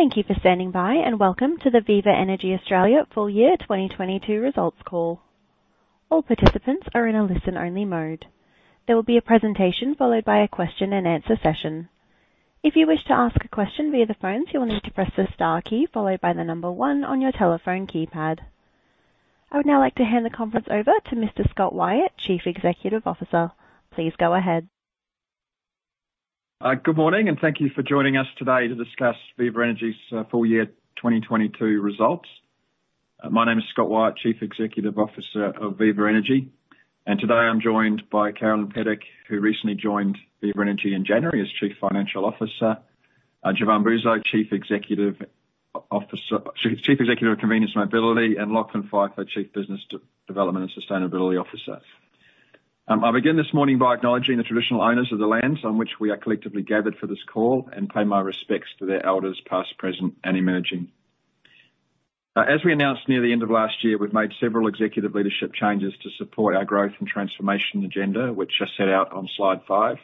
Thank you for standing by, and welcome to the Viva Energy Australia full year 2022 results call. All participants are in a listen-only mode. There will be a presentation followed by a question and answer session. If you wish to ask a question via the phones, you will need to press the star key followed by the number one on your telephone keypad. I would now like to hand the conference over to Mr. Scott Wyatt, Chief Executive Officer. Please go ahead. Good morning, thank you for joining us today to discuss Viva Energy's full year 2022 results. My name is Scott Wyatt, Chief Executive Officer of Viva Energy. Today I'm joined by Carolyn Pedic, who recently joined Viva Energy in January as Chief Financial Officer, Jevan Bouzo, Chief Executive of Convenience Mobility, and Lachlan Pfeiffer, our Chief Business Development and Sustainability Officer. I'll begin this morning by acknowledging the traditional owners of the lands on which we are collectively gathered for this call and pay my respects to their elders past, present, and emerging. As we announced near the end of last year, we've made several executive leadership changes to support our growth and transformation agenda, which I set out on slide five.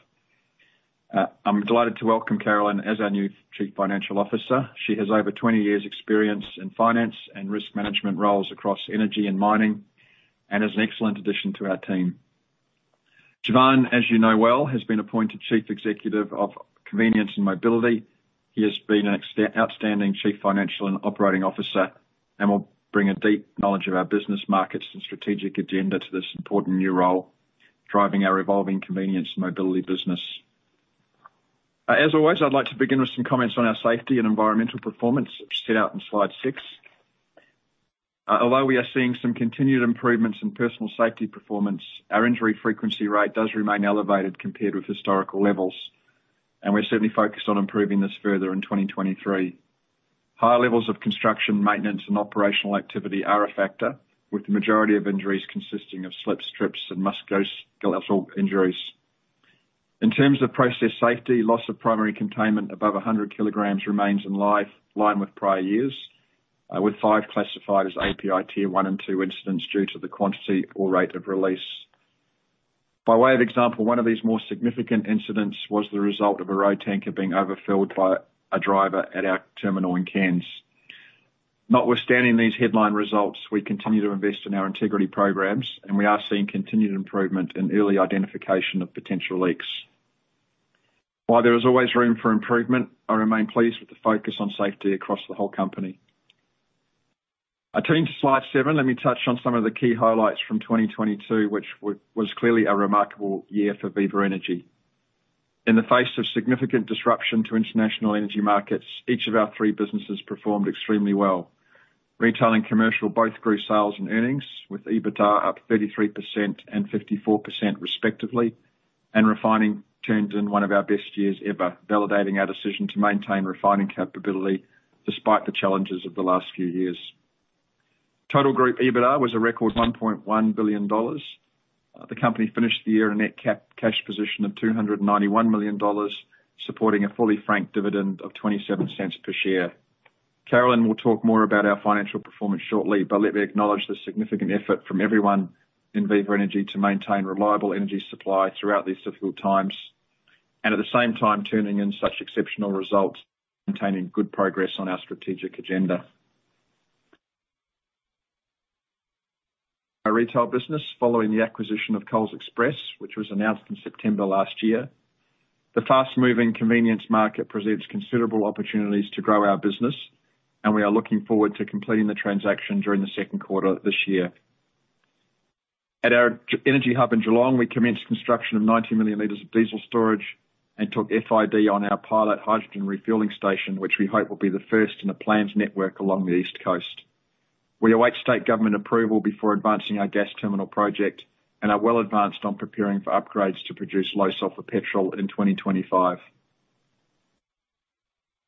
I'm delighted to welcome Carolyn as our new Chief Financial Officer. She has over 20 years experience in finance and risk management roles across energy and mining and is an excellent addition to our team. Jevan, as you know well, has been appointed Chief Executive of Convenience and Mobility. He has been an outstanding Chief Financial and Operating Officer and will bring a deep knowledge of our business markets and strategic agenda to this important new role, driving our evolving Convenience and Mobility business. As always, I'd like to begin with some comments on our safety and environmental performance, which are set out in slide six. Although we are seeing some continued improvements in personal safety performance, our injury frequency rate does remain elevated compared with historical levels, and we're certainly focused on improving this further in 2023. High levels of construction, maintenance, and operational activity are a factor, with the majority of injuries consisting of slip, trips, and musculoskeletal injuries. In terms of process safety, Loss of Primary Containment above 100 kilograms remains in line with prior years, with five classified as API Tier one and two incidents due to the quantity or rate of release. By way of example, one of these more significant incidents was the result of a road tanker being overfilled by a driver at our terminal in Cairns. Notwithstanding these headline results, we continue to invest in our integrity programs, and we are seeing continued improvement in early identification of potential leaks. While there is always room for improvement, I remain pleased with the focus on safety across the whole company. I turn to slide seven. Let me touch on some of the key highlights from 2022, which was clearly a remarkable year for Viva Energy. In the face of significant disruption to international energy markets, each of our three businesses performed extremely well. Retail and commercial both grew sales and earnings, with EBITDA up 33% and 54% respectively. Refining turned in one of our best years ever, validating our decision to maintain refining capability despite the challenges of the last few years. Total group EBITDA was a record 1.1 billion dollars. The company finished the year a net cap cash position of 291 million dollars, supporting a fully franked dividend of 0.27 per share. Carolyn will talk more about our financial performance shortly. Let me acknowledge the significant effort from everyone in Viva Energy to maintain reliable energy supply throughout these difficult times, and at the same time turning in such exceptional results, maintaining good progress on our strategic agenda. Our retail business, following the acquisition of Coles Express, which was announced in September last year, the fast-moving convenience market presents considerable opportunities to grow our business. We are looking forward to completing the transaction during the second quarter this year. At our energy hub in Geelong, we commenced construction of 90 million liters of diesel storage and took FID on our pilot hydrogen refueling station, which we hope will be the first in a planned network along the East Coast. We await state government approval before advancing our gas terminal project and are well advanced on preparing for upgrades to produce low-sulfur petrol in 2025.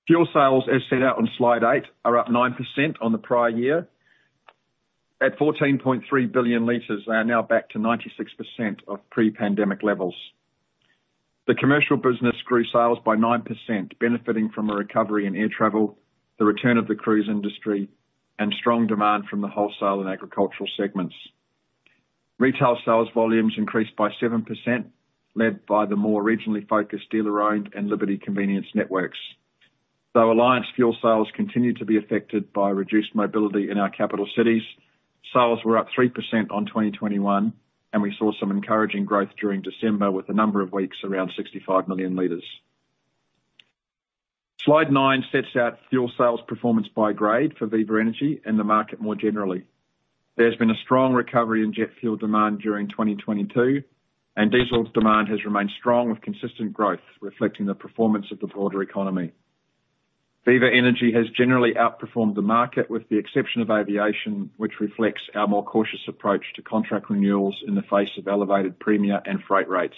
Fuel sales, as set out on slide eight, are up 9% on the prior year. At 14.3 billion liters, they are now back to 96% of pre-pandemic levels. The commercial business grew sales by 9%, benefiting from a recovery in air travel, the return of the cruise industry, and strong demand from the wholesale and agricultural segments. Retail sales volumes increased by 7%, led by the more regionally focused dealer-owned and Liberty Convenience networks. Alliance fuel sales continued to be affected by reduced mobility in our capital cities, sales were up 3% on 2021, and we saw some encouraging growth during December with a number of weeks around 65 million liters. Slide nine sets out fuel sales performance by grade for Viva Energy and the market more generally. There's been a strong recovery in jet fuel demand during 2022, and diesel demand has remained strong with consistent growth, reflecting the performance of the broader economy. Viva Energy has generally outperformed the market, with the exception of aviation, which reflects our more cautious approach to contract renewals in the face of elevated demurrage and freight rates.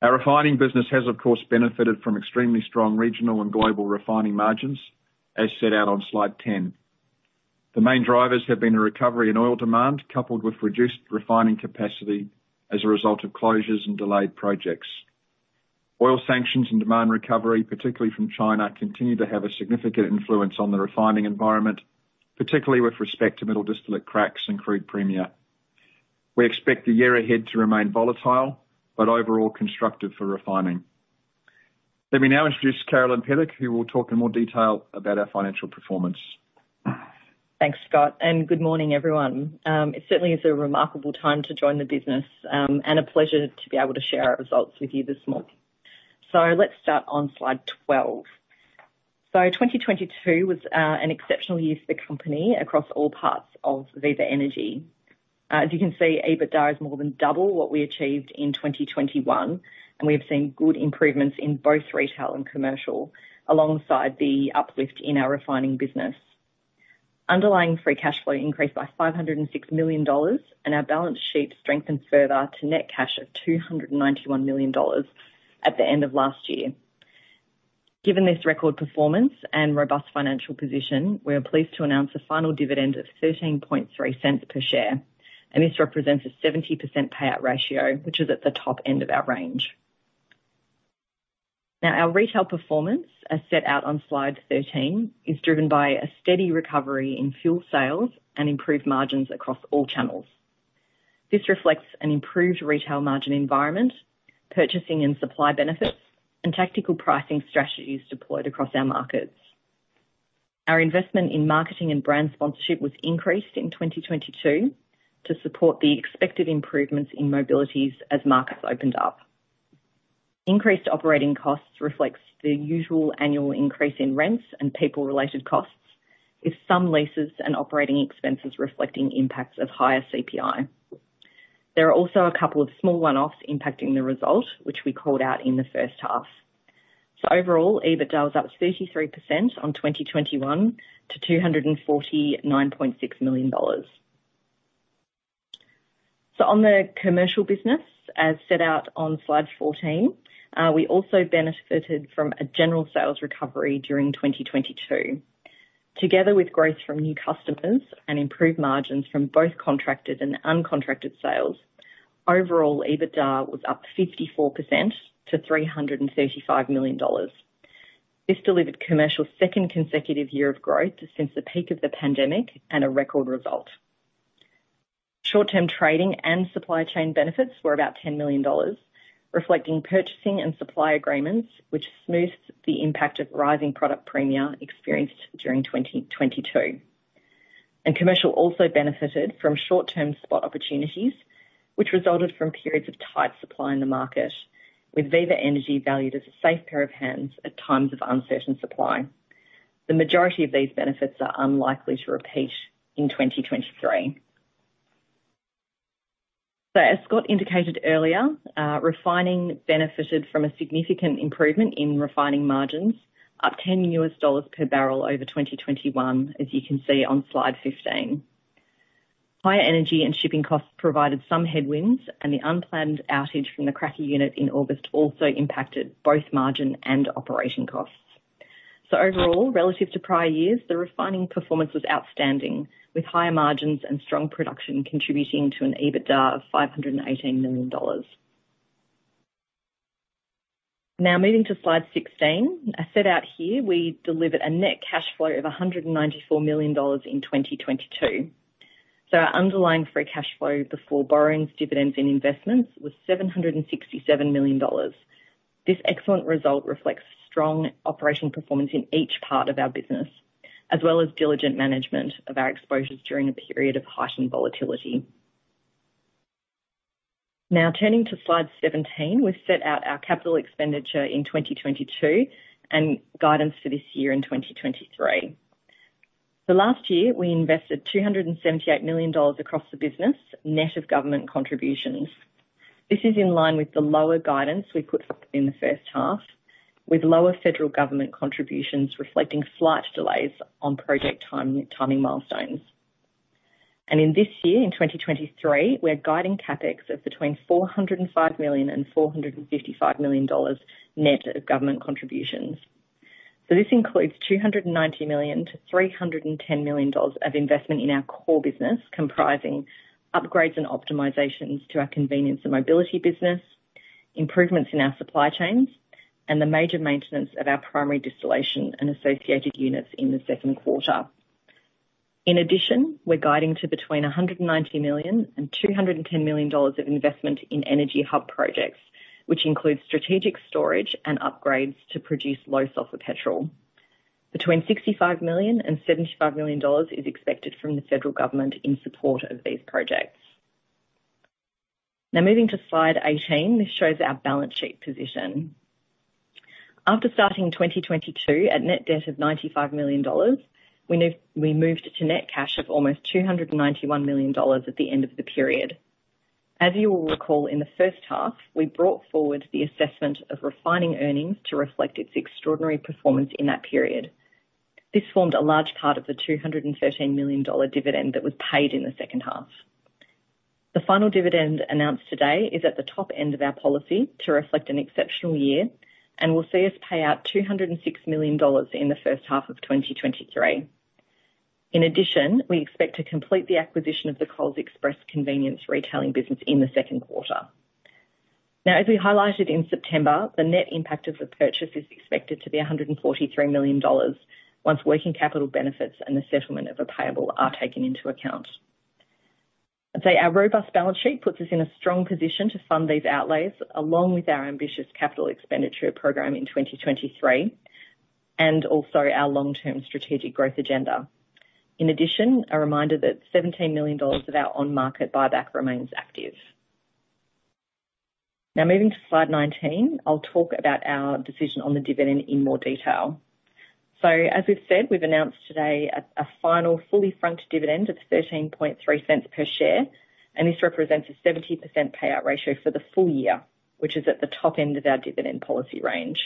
Our refining business has, of course, benefited from extremely strong regional and global refining margins, as set out on Slide 10. The main drivers have been a recovery in oil demand coupled with reduced refining capacity as a result of closures and delayed projects. Oil sanctions and demand recovery, particularly from China, continue to have a significant influence on the refining environment, particularly with respect to middle distillate cracks and crude premia. We expect the year ahead to remain volatile, but overall constructive for refining. Let me now introduce Carolyn Pedic, who will talk in more detail about our financial performance. Thanks, Scott, good morning everyone. It certainly is a remarkable time to join the business, a pleasure to be able to share our results with you this morning. Let's start on slide 12. 2022 was an exceptional year for the company across all parts of Viva Energy. As you can see, EBITDA is more than double what we achieved in 2021, we have seen good improvements in both retail and commercial, alongside the uplift in our refining business. Underlying free cash flow increased by $506 million, our balance sheet strengthened further to net cash of $291 million at the end of last year. Given this record performance and robust financial position, we are pleased to announce a final dividend of 0.133 per share. This represents a 70% payout ratio, which is at the top end of our range. Our retail performance, as set out on slide 13, is driven by a steady recovery in fuel sales and improved margins across all channels. This reflects an improved retail margin environment, purchasing and supply benefits, and tactical pricing strategies deployed across our markets. Our investment in marketing and brand sponsorship was increased in 2022 to support the expected improvements in mobilities as markets opened up. Increased operating costs reflects the usual annual increase in rents and people-related costs, with some leases and operating expenses reflecting impacts of higher CPI. There are also a couple of small one-offs impacting the result, which we called out in the first half. Overall, EBITDA was up 33% on 2021 to AUD 249.6 million. On the commercial business, as set out on slide 14, we also benefited from a general sales recovery during 2022. Together with growth from new customers and improved margins from both contracted and uncontracted sales, overall EBITDA was up 54% to 335 million dollars. This delivered commercial's second consecutive year of growth since the peak of the pandemic and a record result. Short-term trading and supply chain benefits were about 10 million dollars, reflecting purchasing and supply agreements, which smoothed the impact of rising product premia experienced during 2022. Commercial also benefited from short-term spot opportunities, which resulted from periods of tight supply in the market, with Viva Energy valued as a safe pair of hands at times of uncertain supply. The majority of these benefits are unlikely to repeat in 2023. As Scott indicated earlier, refining benefited from a significant improvement in refining margins, up $10 per barrel over 2021, as you can see on slide 15. Higher energy and shipping costs provided some headwinds, and the unplanned outage from the cracker unit in August also impacted both margin and operating costs. Overall, relative to prior years, the refining performance was outstanding, with higher margins and strong production contributing to an EBITDA of 518 million dollars. Moving to slide 16. As set out here, we delivered a net cash flow of 194 million dollars in 2022. Our underlying free cash flow before borrowings, dividends, and investments was 767 million dollars. This excellent result reflects strong operating performance in each part of our business, as well as diligent management of our exposures during a period of heightened volatility. Turning to slide 17, we've set out our capital expenditure in 2022 and guidance for this year in 2023. Last year, we invested 278 million dollars across the business, net of government contributions. This is in line with the lower guidance we put in the first half, with lower federal government contributions reflecting slight delays on project timing milestones. In this year, in 2023, we're guiding Capex of between 405 million and 455 million dollars net of government contributions. This includes 290 million-310 million dollars of investment in our core business, comprising upgrades and optimizations to our convenience and mobility business, improvements in our supply chains, and the major maintenance of our primary distillation and associated units in the second quarter. In addition, we're guiding to between 190 million and 210 million dollars of investment in energy hub projects, which include strategic storage and upgrades to produce low-sulfur petrol. Between 65 million and 75 million dollars is expected from the federal government in support of these projects. Moving to slide 18. This shows our balance sheet position. After starting 2022 at net debt of AUD 95 million, we moved to net cash of almost 291 million dollars at the end of the period. As you will recall, in the first half, we brought forward the assessment of refining earnings to reflect its extraordinary performance in that period. This formed a large part of the 213 million dollar dividend that was paid in the second half. The final dividend announced today is at the top end of our policy to reflect an exceptional year and will see us pay out 206 million dollars in the first half of 2023. In addition, we expect to complete the acquisition of the Coles Express convenience retailing business in the second quarter. Now, as we highlighted in September, the net impact of the purchase is expected to be 143 million dollars once working capital benefits and the settlement of a payable are taken into account. I'd say our robust balance sheet puts us in a strong position to fund these outlays, along with our ambitious capital expenditure program in 2023, and also our long-term strategic growth agenda. In addition, a reminder that 17 million dollars of our on-market buyback remains active. Moving to slide 19, I'll talk about our decision on the dividend in more detail. As we've said, we've announced today a final fully franked dividend of 0.133 per share, and this represents a 70% payout ratio for the full year, which is at the top end of our dividend policy range,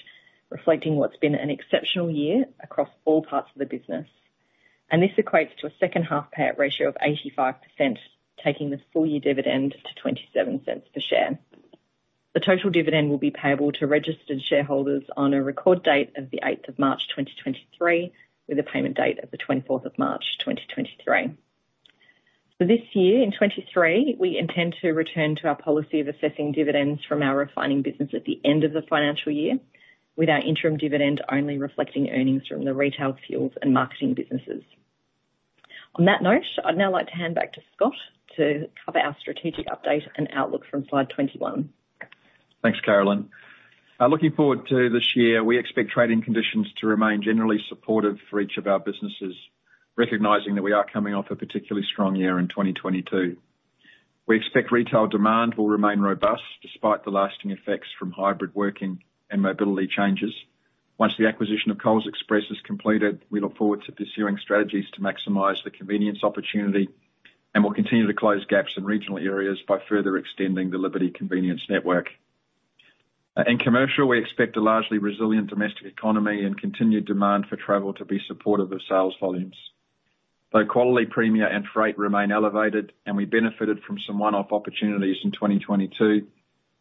reflecting what's been an exceptional year across all parts of the business. This equates to a second half payout ratio of 85%, taking the full year dividend to 0.27 per share. The total dividend will be payable to registered shareholders on a record date of the eighth of March, 2023, with a payment date of the twenty-fourth of March, 2023. For this year, in 2023, we intend to return to our policy of assessing dividends from our refining business at the end of the financial year, with our interim dividend only reflecting earnings from the retail, fuels, and marketing businesses. On that note, I'd now like to hand back to Scott to cover our strategic update and outlook from slide 21. Thanks, Carolyn. Looking forward to this year, we expect trading conditions to remain generally supportive for each of our businesses, recognizing that we are coming off a particularly strong year in 2022. We expect retail demand will remain robust despite the lasting effects from hybrid working and mobility changes. Once the acquisition of Coles Express is completed, we look forward to pursuing strategies to maximize the convenience opportunity, and we'll continue to close gaps in regional areas by further extending the Liberty Convenience network. In commercial, we expect a largely resilient domestic economy and continued demand for travel to be supportive of sales volumes. Though quality premia and freight remain elevated, and we benefited from some one-off opportunities in 2022,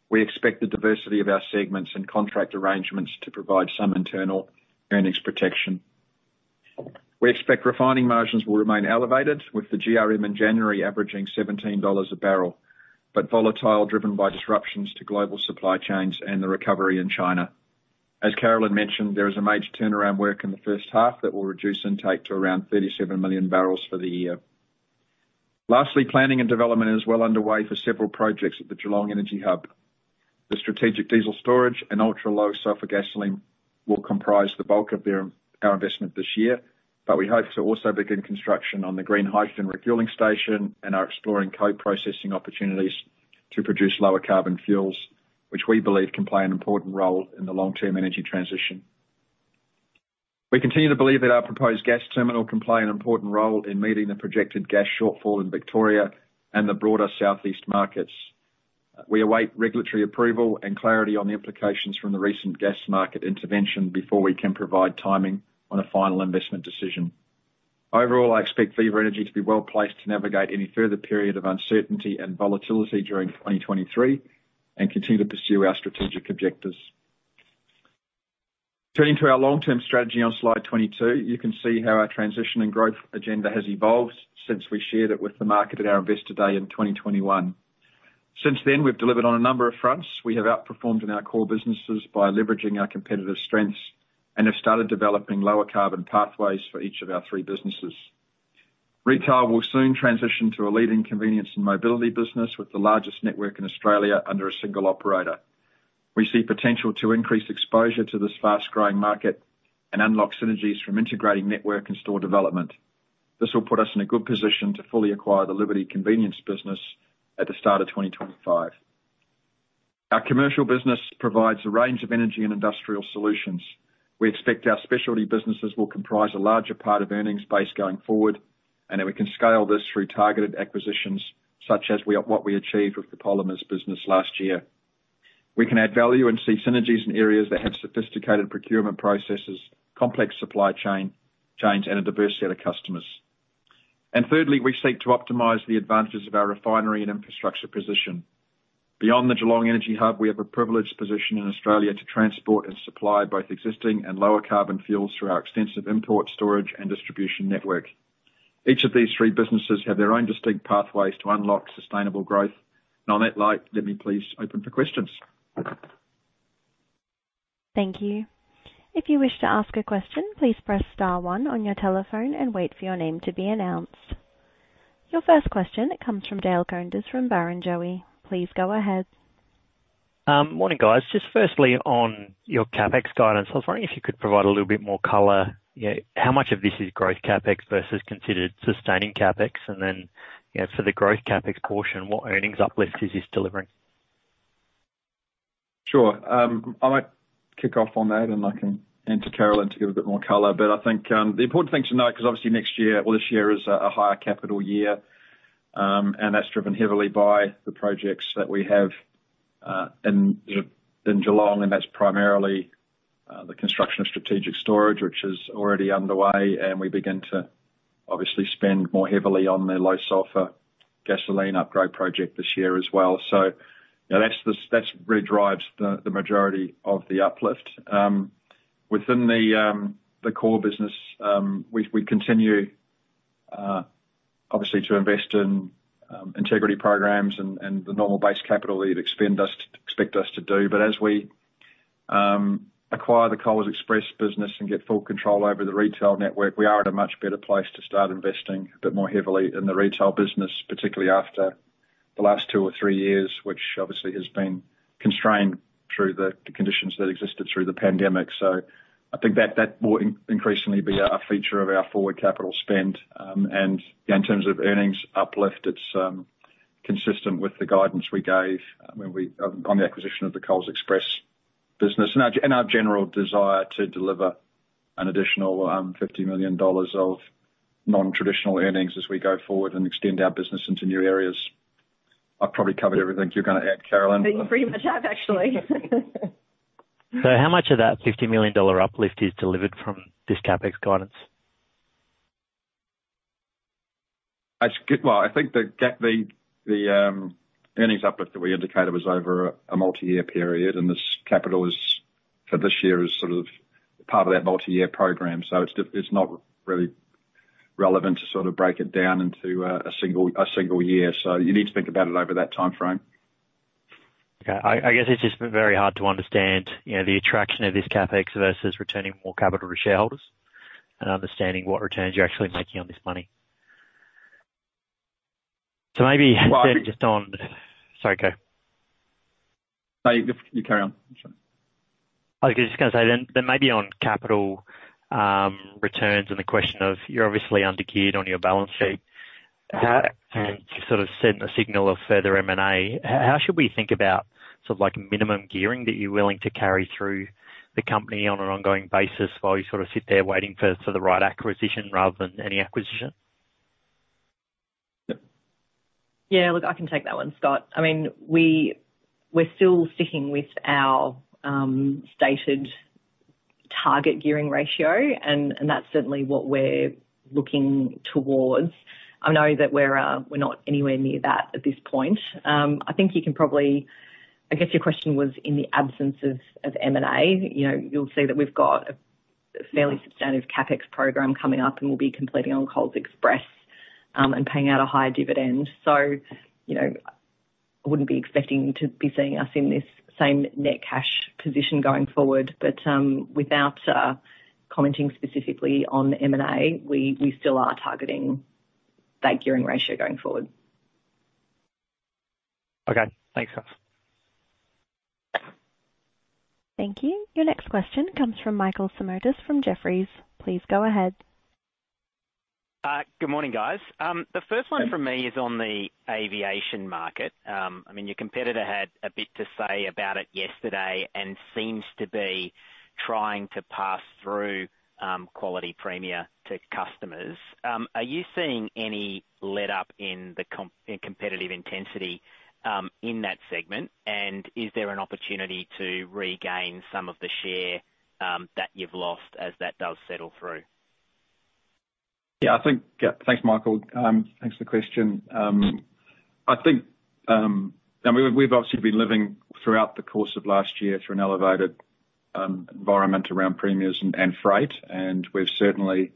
we expect the diversity of our segments and contract arrangements to provide some internal earnings protection. We expect refining margins will remain elevated, with the GRM in January averaging 17 dollars a barrel, volatile driven by disruptions to global supply chains and the recovery in China. As Carolyn mentioned, there is a major turnaround work in the first half that will reduce intake to around 37 million barrels for the year. Lastly, planning and development is well underway for several projects at the Geelong Energy Hub. The strategic diesel storage and ultra-low sulfur gasoline will comprise the bulk of our investment this year, but we hope to also begin construction on the green hydrogen refueling station and are exploring co-processing opportunities to produce lower carbon fuels, which we believe can play an important role in the long-term energy transition. We continue to believe that our proposed gas terminal can play an important role in meeting the projected gas shortfall in Victoria and the broader Southeast markets. We await regulatory approval and clarity on the implications from the recent gas market intervention before we can provide timing on a final investment decision. Overall, I expect Viva Energy to be well placed to navigate any further period of uncertainty and volatility during 2023 and continue to pursue our strategic objectives. Turning to our long-term strategy on slide 22, you can see how our transition and growth agenda has evolved since we shared it with the market at our investor day in 2021. Since then, we've delivered on a number of fronts. We have outperformed in our core businesses by leveraging our competitive strengths and have started developing lower carbon pathways for each of our three businesses. Retail will soon transition to a leading convenience and mobility business with the largest network in Australia under a single operator. We see potential to increase exposure to this fast-growing market and unlock synergies from integrating network and store development. This will put us in a good position to fully acquire the Liberty convenience business at the start of 2025. Our commercial business provides a range of energy and industrial solutions. We expect our specialty businesses will comprise a larger part of earnings base going forward, and that we can scale this through targeted acquisitions what we achieved with the polymers business last year. We can add value and see synergies in areas that have sophisticated procurement processes, complex supply chains, and a diverse set of customers. Thirdly, we seek to optimize the advantages of our refinery and infrastructure position. Beyond the Geelong Energy Hub, we have a privileged position in Australia to transport and supply both existing and lower carbon fuels through our extensive import storage and distribution network. Each of these three businesses have their own distinct pathways to unlock sustainable growth. On that note, let me please open for questions. Thank you. If you wish to ask a question, please press star one on your telephone and wait for your name to be announced. Your first question comes from Dale Koenders from Barrenjoey. Please go ahead. Morning, guys. Just firstly, on your Capex guidance, I was wondering if you could provide a little bit more color. You know, how much of this is growth Capex versus considered sustaining Capex? And then, you know, for the growth Capex portion, what earnings uplift is this delivering? Sure. I might kick off on that, and I can hand to Carolyn to give a bit more color. I think the important thing to note, because obviously next year or this year is a higher capital year, and that's driven heavily by the projects that we have in Geelong, and that's primarily the construction of strategic storage, which is already underway, and we begin to obviously spend more heavily on the low-sulfur gasoline upgrade project this year as well. You know, that's really drives the majority of the uplift. Within the core business, we continue obviously to invest in integrity programs and the normal base capital that you'd expect us to do. As we acquire the Coles Express business and get full control over the retail network, we are at a much better place to start investing a bit more heavily in the retail business, particularly after the last two or three years, which obviously has been constrained through the conditions that existed through the pandemic. I think that increasingly be a feature of our forward capital spend. In terms of earnings uplift, it's consistent with the guidance we gave on the acquisition of the Coles Express business and our general desire to deliver an additional 50 million dollars of non-traditional earnings as we go forward and extend our business into new areas. I've probably covered everything you're gonna add, Carolyn. You pretty much have, actually. How much of that 50 million dollar uplift is delivered from this Capex guidance? Well, I think the earnings uplift that we indicated was over a multi-year period. This capital is, for this year, is sort of part of that multi-year program. It's not really relevant to sort of break it down into a single year. You need to think about it over that timeframe. Okay. I guess it's just very hard to understand, you know, the attraction of this Capex versus returning more capital to shareholders and understanding what returns you're actually making on this money. Maybe just. Well. Sorry, go. No, you carry on. I'm sorry. I was just gonna say then maybe on capital returns and the question of you're obviously undergeared on your balance sheet. Yeah. You sort of sent a signal of further M&A. How should we think about sort of like minimum gearing that you're willing to carry through the company on an ongoing basis while you sort of sit there waiting for the right acquisition rather than any acquisition? Yeah. Look, I can take that one, Scott. I mean, we're still sticking with our stated target gearing ratio, and that's certainly what we're looking towards. I know that we're not anywhere near that at this point. I guess your question was in the absence of M&A, you know, you'll see that we've got a fairly substantive Capex program coming up, and we'll be completing on Coles Express, and paying out a higher dividend. You know, I wouldn't be expecting to be seeing us in this same net cash position going forward. Without commenting specifically on M&A, we still are targeting that gearing ratio going forward. Okay. Thanks, guys. Thank you. Your next question comes from Michael Simotas from Jefferies. Please go ahead. Good morning, guys. The first one from me is on the aviation market. I mean, your competitor had a bit to say about it yesterday and seems to be trying to pass through quality premia to customers. Are you seeing any letup in competitive intensity in that segment? Is there an opportunity to regain some of the share that you've lost as that does settle through? Yeah, I think, yeah. Thanks, Michael. Thanks for the question. I think, I mean, we've obviously been living throughout the course of last year through an elevated environment around premiums and freight, and we've certainly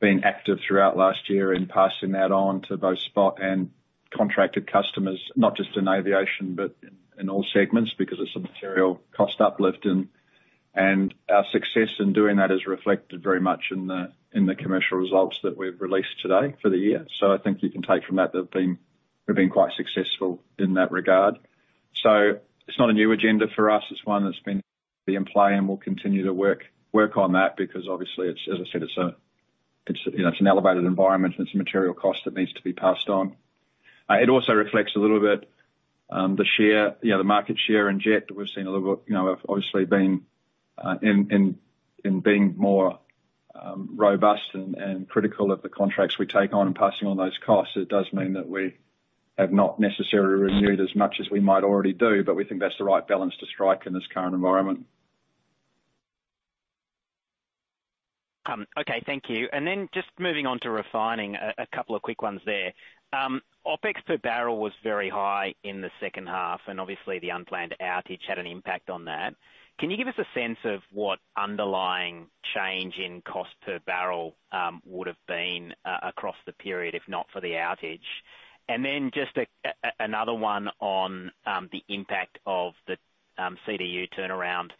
been active throughout last year in passing that on to both spot and contracted customers, not just in aviation, but in all segments, because it's a material cost uplift. Our success in doing that is reflected very much in the commercial results that we've released today for the year. I think you can take from that we've been quite successful in that regard. It's not a new agenda for us. It's one that's been in play and will continue to work on that because obviously it's, as I said, it's a, it's, you know, it's an elevated environment and it's a material cost that needs to be passed on. It also reflects a little bit, the share, you know, the market share in Jet that we've seen a little bit, you know, of obviously being, in being more, robust and critical of the contracts we take on and passing on those costs. It does mean that we have not necessarily renewed as much as we might already do, but we think that's the right balance to strike in this current environment. Okay. Thank you. Just moving on to refining, a couple of quick ones there. Opex per barrel was very high in the second half, and obviously the unplanned outage had an impact on that. Can you give us a sense of what underlying change in cost per barrel would have been across the period, if not for the outage? Just another one on the impact of the CDU turnaround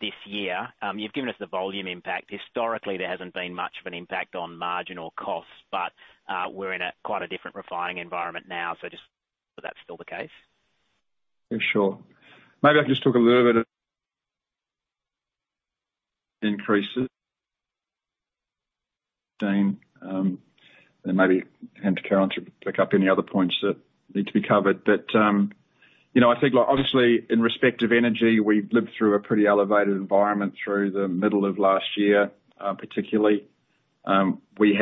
this year. You've given us the volume impact. Historically, there hasn't been much of an impact on margin or costs, but we're in a quite a different refining environment now. Just if that's still the case. Yeah, sure. Maybe I can just talk a little bit of increases seen, then maybe hand to Carolyn to pick up any other points that need to be covered. You know, I think obviously in respect of energy, we've lived through a pretty elevated environment through the middle of last year, particularly. We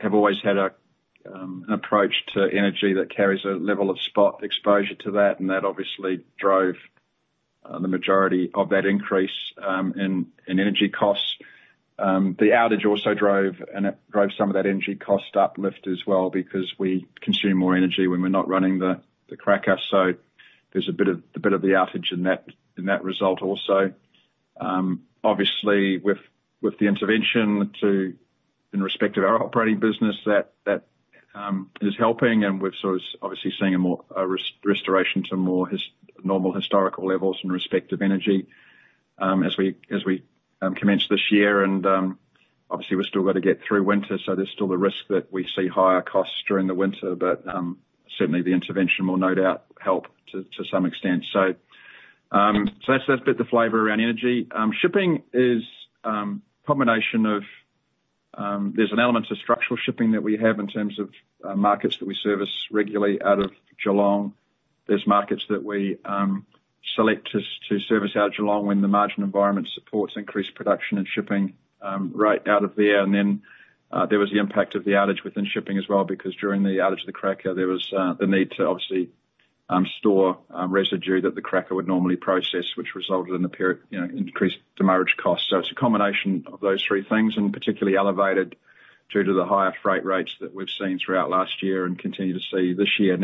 have always had an approach to energy that carries a level of spot exposure to that, and that obviously drove the majority of that increase in energy costs. The outage also drove, and it drove some of that energy cost uplift as well because we consume more energy when we're not running the cracker. There's a bit of the outage in that result also. With the intervention to... in respect of our operating business that is helping and we're sort of obviously seeing a more restoration to more normal historical levels in respect of energy as we commence this year, and obviously we've still got to get through winter, so there's still the risk that we see higher costs during the winter. But certainly the intervention will no doubt help to some extent. So that's a bit the flavor around energy. Shipping is combination of there's an element to structural shipping that we have in terms of markets that we service regularly out of Geelong. There's markets that we select to service out Geelong when the margin environment supports increased production and shipping right out of there. There was the impact of the outage within shipping as well, because during the outage of the cracker, there was the need to obviously store residue that the cracker would normally process, which resulted in increased demurrage cost. It's a combination of those three things, and particularly elevated due to the higher freight rates that we've seen throughout last year and continue to see this year.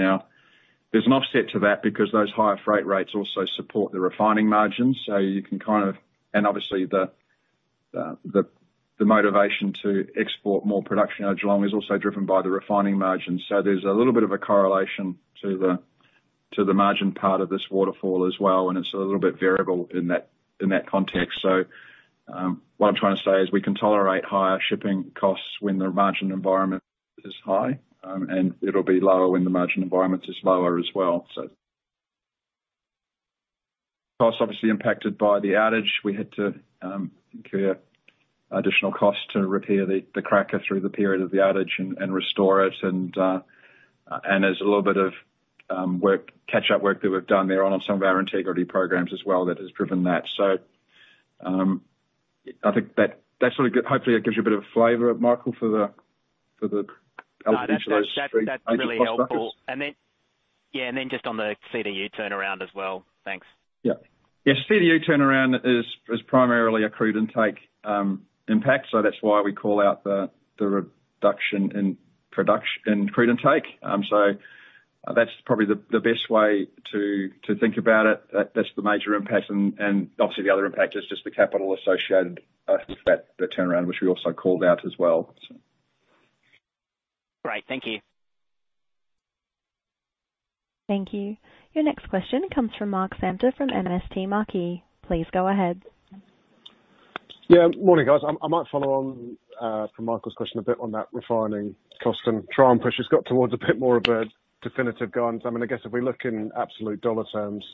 There's an offset to that because those higher freight rates also support the refining margins. You can kind of... And obviously the motivation to export more production out of Geelong is also driven by the refining margins. There's a little bit of a correlation to the margin part of this waterfall as well, and it's a little bit variable in that, in that context. What I'm trying to say is we can tolerate higher shipping costs when the margin environment is high, and it'll be lower when the margin environment is lower as well. Cost obviously impacted by the outage. We had to incur additional cost to repair the cracker through the period of the outage and restore it and there's a little bit of work, catch-up work that we've done there on some of our integrity programs as well that has driven that. I think that sort of, hopefully that gives you a bit of a flavor, Michael, for the, for the. No, that's really helpful. into those three cost buckets. Yeah, and then just on the CDU turnaround as well. Thanks. Yes, CDU turnaround is primarily a crude intake impact, so that's why we call out the reduction in crude intake. That's probably the best way to think about it. That's the major impact and obviously the other impact is just the capital associated with that, the turnaround, which we also called out as well. Great. Thank you. Thank you. Your next question comes from Mark Samter from MST Marquee. Please go ahead. Yeah. Morning, guys. I might follow on from Michael's question a bit on that refining cost and try and push us, got towards a bit more of a definitive guidance. I mean, I guess if we look in absolute dollar terms,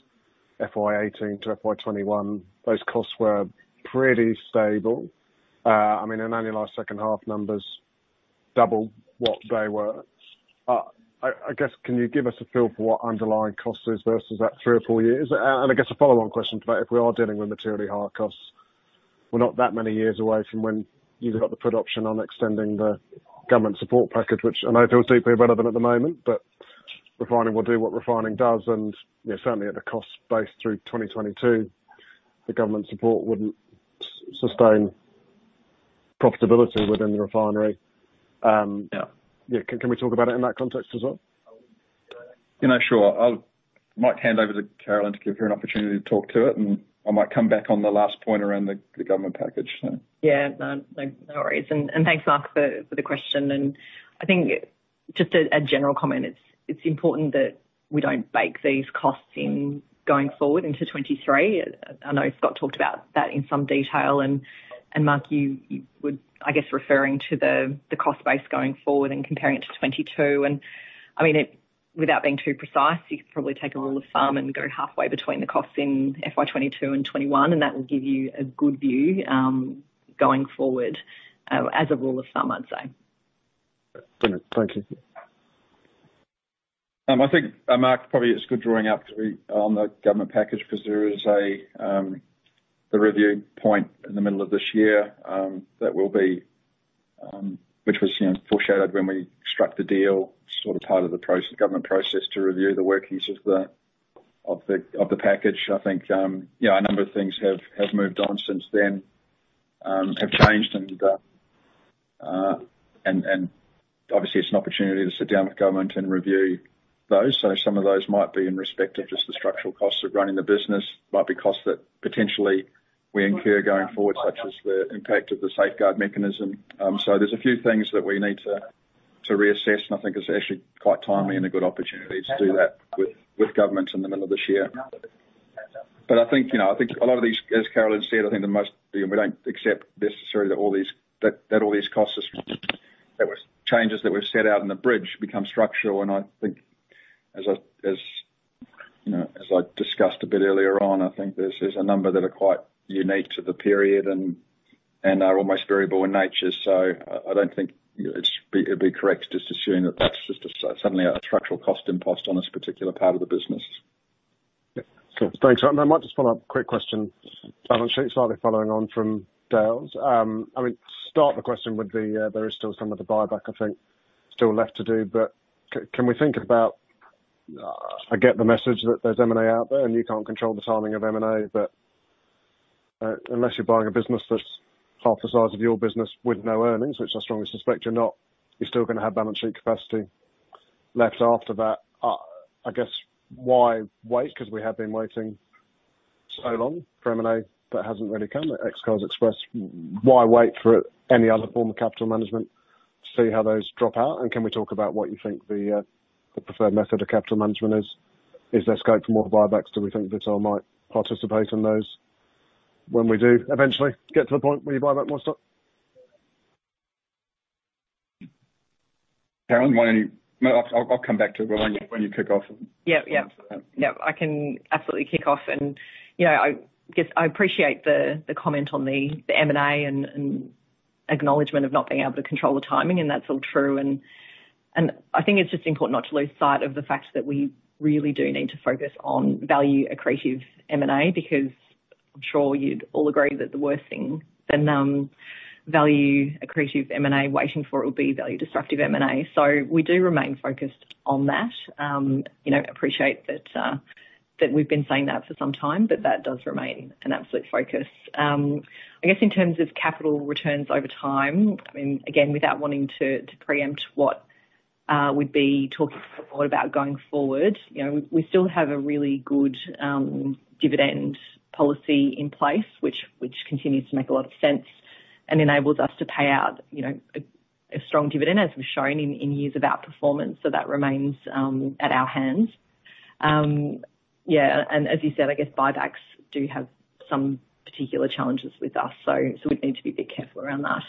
FY18 to FY21, those costs were pretty stable. I guess, can you give us a feel for what underlying cost is versus that three or four years? I guess a follow on question to that, if we are dealing with materially higher costs, we're not that many years away from when you got the put option on extending the government support package, which I know feels deeply relevant at the moment, but refining will do what refining does. you know, certainly at a cost base through 2022, the government support wouldn't sustain profitability within the refinery. Yeah. Yeah. Can we talk about it in that context as well? You know, sure. Might hand over to Carolyn to give her an opportunity to talk to it, and I might come back on the last point around the government package. Yeah. No, no worries. Thanks, Mark, for the question. I think just a general comment, it's important that we don't bake these costs in going forward into 2023. I know Scott talked about that in some detail. Mark, you would, I guess, referring to the cost base going forward and comparing it to 2022. I mean, without being too precise, you could probably take a rule of thumb and go halfway between the costs in FY 2022 and 2021, and that will give you a good view going forward as a rule of thumb, I'd say. Thank you. I think Mark, probably it's good drawing out to be on the government package because there is a review point in the middle of this year that will be which was, you know, foreshadowed when we struck the deal, sort of part of the process, government process to review the workings of the package. I think, you know, a number of things have moved on since then, have changed and obviously it's an opportunity to sit down with government and review those. Some of those might be in respect of just the structural costs of running the business, might be costs that potentially we incur going forward, such as the impact of the Safeguard Mechanism. There's a few things that we need to reassess, and I think it's actually quite timely and a good opportunity to do that with government in the middle of this year. I think, you know, I think a lot of these, as Carolyn said, I think that, you know, we don't accept necessarily that all these, that all these costs are. There was changes that were set out in the bridge become structural, and I think as I, you know, as I discussed a bit earlier on, I think there's a number that are quite unique to the period and are almost variable in nature. I don't think it'd be correct just assuming that that's just a suddenly a structural cost imposed on this particular part of the business. Yeah. Cool. Thanks. I might just follow up, quick question. Balance sheet, slightly following on from Dale's. I mean, start the question with the, there is still some of the buyback, I think, still left to do. Can we think about? I get the message that there's M&A out there and you can't control the timing of M&A. Unless you're buying a business that's half the size of your business with no earnings, which I strongly suspect you're not, you're still gonna have balance sheet capacity. -left after that, I guess why wait? We have been waiting so long for M&A that hasn't really come. The Ex-Coles Express, why wait for any other form of capital management to see how those drop out? Can we talk about what you think the preferred method of capital management is? Is there scope for more buybacks? Do we think Vitol might participate in those when we do eventually get to the point where you buy back more stock? Carolyn, No, I'll come back to it when you kick off. Yeah. Yeah. No, I can absolutely kick off. You know, I guess I appreciate the comment on the M&A and acknowledgement of not being able to control the timing, and that's all true. I think it's just important not to lose sight of the fact that we really do need to focus on value accretive M&A, because I'm sure you'd all agree that the worst thing than value accretive M&A waiting for it will be value-destructive M&A. We do remain focused on that. You know, appreciate that we've been saying that for some time, but that does remain an absolute focus. I guess in terms of capital returns over time, I mean, again, without wanting to preempt what we'd be talking a lot about going forward, you know, we still have a really good dividend policy in place, which continues to make a lot of sense and enables us to pay out, you know, a strong dividend as we've shown in years of outperformance. That remains at our hands. As you said, I guess buybacks do have some particular challenges with us, so we'd need to be a bit careful around that.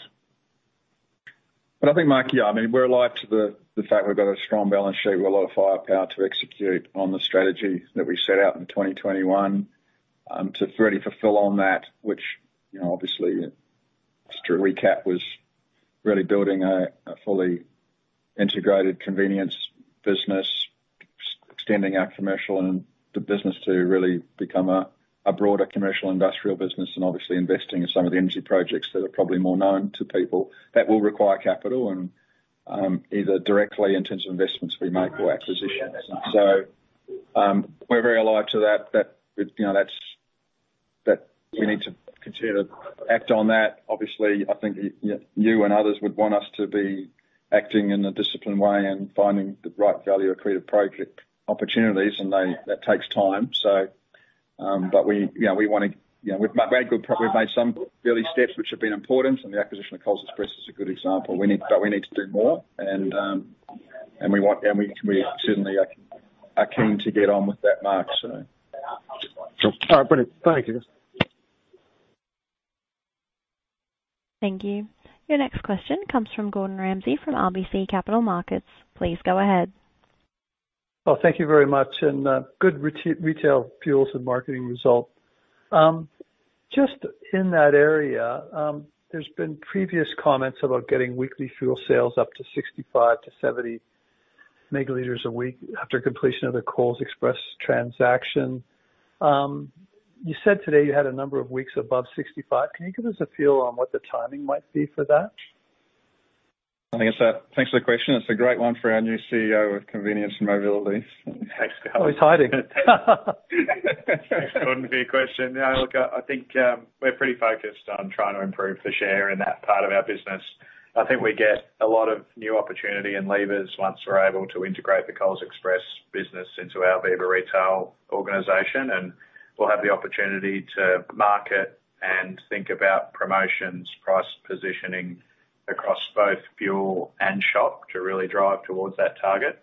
I think, Mark, yeah, I mean, we're alive to the fact we've got a strong balance sheet with a lot of firepower to execute on the strategy that we set out in 2021 to really fulfill on that, which, you know, obviously. It's true. ...to recap, was really building a fully integrated convenience business, extending our commercial and the business to really become a broader commercial industrial business, and obviously investing in some of the energy projects that are probably more known to people that will require capital and, either directly in terms of investments we make or acquisitions. We're very alive to that, you know, that's, that we need to continue to act on that. Obviously, I think you and others would want us to be acting in a disciplined way and finding the right value accretive project opportunities, and they, that takes time. But we, you know, we wanna, you know, we've made good progress. We've made some early steps which have been important, and the acquisition of Coles Express is a good example. We need, but we need to do more. We certainly are keen to get on with that, Mark, so. All right. Brilliant. Thank you. Thank you. Your next question comes from Gordon Ramsay from RBC Capital Markets. Please go ahead. Thank you very much, good retail fuels and marketing result. Just in that area, there's been previous comments about getting weekly fuel sales up to 65 to 70 megaliters a week after completion of the Coles Express transaction. You said today you had a number of weeks above 65. Can you give us a feel on what the timing might be for that? Thanks for the question. It's a great one for our new CEO of Convenience and Mobility. Thanks. Oh, he's hiding. Thanks, Gordon, for your question. Yeah, look, I think, we're pretty focused on trying to improve the share in that part of our business. I think we get a lot of new opportunity and levers once we're able to integrate the Coles Express business into our Viva Retail organization, and we'll have the opportunity to market and think about promotions, price positioning across both fuel and shop to really drive towards that target.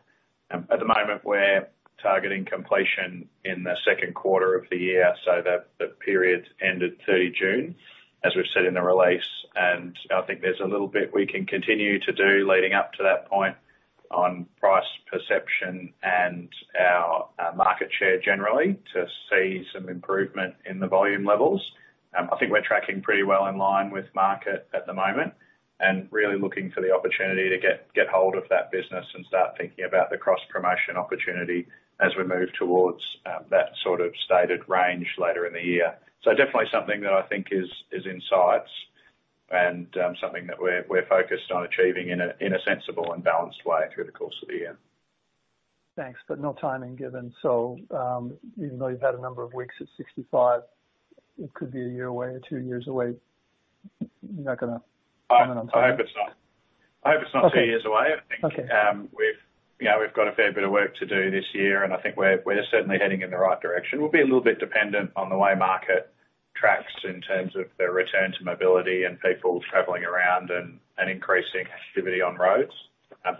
At the moment, we're targeting completion in the second quarter of the year, so that period ended 30 June, as we've said in the release. I think there's a little bit we can continue to do leading up to that point on price perception and our market share generally to see some improvement in the volume levels. I think we're tracking pretty well in line with market at the moment and really looking for the opportunity to get hold of that business and start thinking about the cross-promotion opportunity as we move towards that sort of stated range later in the year. Definitely something that I think is in sights and something that we're focused on achieving in a sensible and balanced way through the course of the year. Thanks. No timing given. Even though you've had a number of weeks at 65, it could be one year away or two years away. You're not gonna comment on timing? I hope it's not. I hope it's not two years away. Okay. I think, we've, you know, we've got a fair bit of work to do this year. I think we're certainly heading in the right direction. We'll be a little bit dependent on the way market tracks in terms of the return to mobility and people traveling around and increasing activity on roads.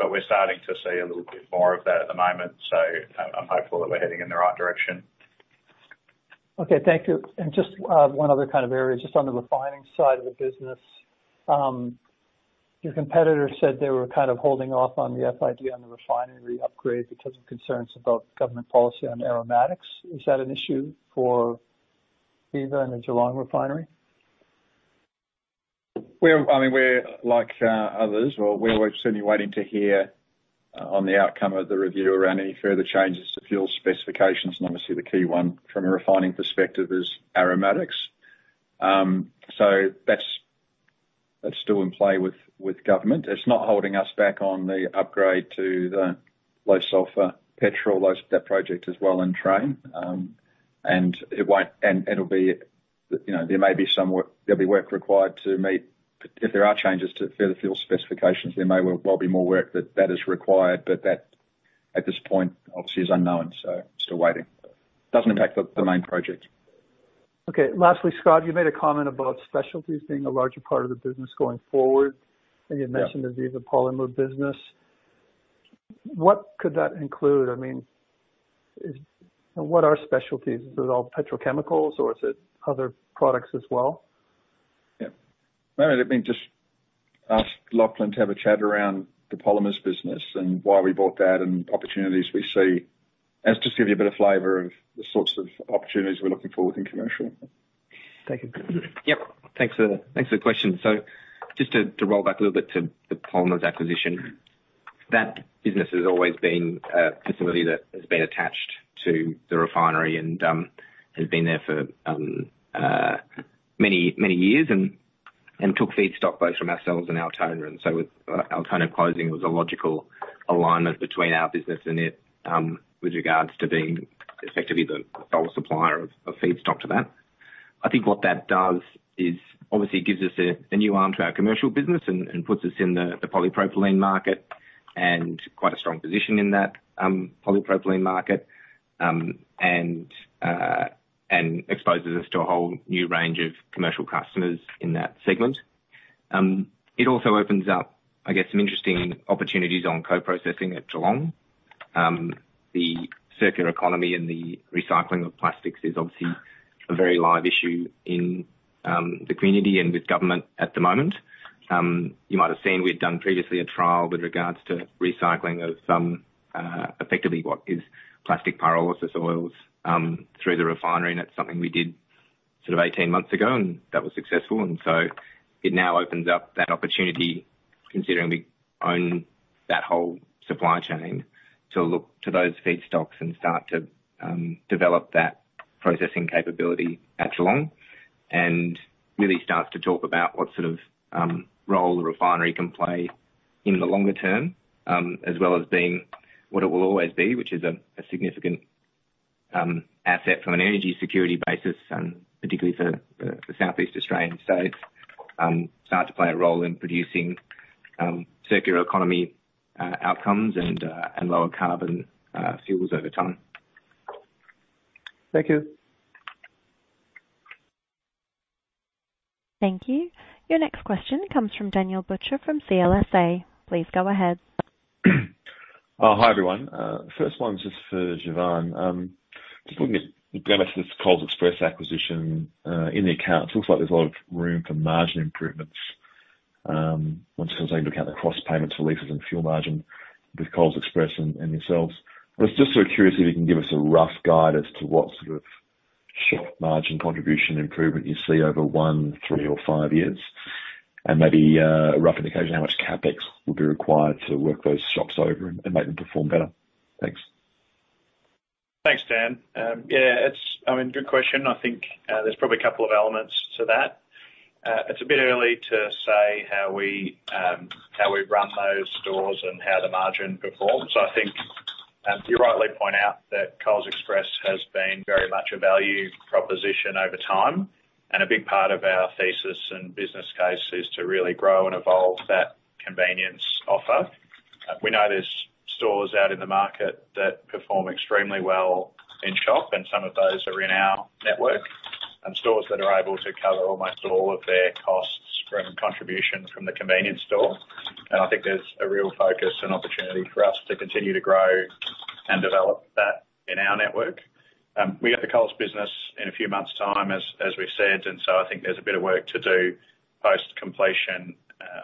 We're starting to see a little bit more of that at the moment, so I'm hopeful that we're heading in the right direction. Okay. Thank you. Just one other kind of area, just on the refining side of the business. Your competitor said they were kind of holding off on the FID on the refinery upgrade because of concerns about government policy on aromatics. Is that an issue for Viva and the Geelong refinery? We're, I mean, we're like others. We're certainly waiting to hear on the outcome of the review around any further changes to fuel specifications, and obviously the key one from a refining perspective is aromatics. That's still in play with government. It's not holding us back on the upgrade to the low-sulfur petrol. That project is well in train. It won't. It'll be, you know, there may be some work, there'll be work required to meet. If there are changes to further fuel specifications, there may well be more work that is required, but that at this point obviously is unknown, so still waiting. Doesn't impact the main project. Okay. Lastly, Scott, you made a comment about specialties being a larger part of the business going forward. Yeah. You'd mentioned the polymer business. What could that include? I mean, what are specialties? Is it all petrochemicals or is it other products as well? Yeah. Maybe let me just ask Lachlan to have a chat around the polymers business and why we bought that and opportunities we see, and to just give you a bit of flavor of the sorts of opportunities we're looking for within commercial. Thank you. Yes. Thanks for the question. Just to roll back a little bit to the polymers acquisition, that business has always been a facility that has been attached to the refinery and has been there for many, many years and took feedstock both from ourselves and LyondellBasell. With LyondellBasell closing, it was a logical alignment between our business and it with regards to being effectively the sole supplier of feedstock to that. I think what that does is obviously gives us a new arm to our commercial business and puts us in the polypropylene market and quite a strong position in that polypropylene market. Exposes us to a whole new range of commercial customers in that segment. It also opens up, I guess, some interesting opportunities on co-processing at Geelong. The circular economy and the recycling of plastics is obviously a very live issue in the community and with government at the moment. You might have seen we'd done previously a trial with regards to recycling of some effectively what is plastic pyrolysis oils through the refinery, and that's something we did sort of 18 months ago, and that was successful. It now opens up that opportunity considering we own that whole supply chain, to look to those feedstocks and start to develop that processing capability at Geelong and really start to talk about what sort of role the refinery can play in the longer term, as well as being what it will always be, which is a significant asset from an energy security basis, particularly for the Southeast Australian states, start to play a role in producing circular economy outcomes and lower carbon fuels over time. Thank you. Thank you. Your next question comes from Daniel Butcher from CLSA. Please go ahead. Oh, hi, everyone. First one's just for Jevan. Just looking at the benefits of this Coles Express acquisition, in the accounts, looks like there's a lot of room for margin improvements, once you look at the cross payments for leases and fuel margin with Coles Express and yourselves. I was just sort of curious if you can give us a rough guide as to what sort of shop margin contribution improvement you see over one, three or five years, and maybe a rough indication how much Capex will be required to work those shops over and make them perform better. Thanks. Thanks, Dan. Yeah, it's, I mean, good question. I think, there's probably a couple of elements to that. It's a bit early to say how we, how we run those stores and how the margin performs. I think, you rightly point out that Coles Express has been very much a value proposition over time, and a big part of our thesis and business case is to really grow and evolve that convenience offer. We know there's stores out in the market that perform extremely well in shop, and some of those are in our network, and stores that are able to cover almost all of their costs from contribution from the convenience store. I think there's a real focus and opportunity for us to continue to grow and develop that in our network. We get the Coles business in a few months' time, as we've said. I think there's a bit of work to do post-completion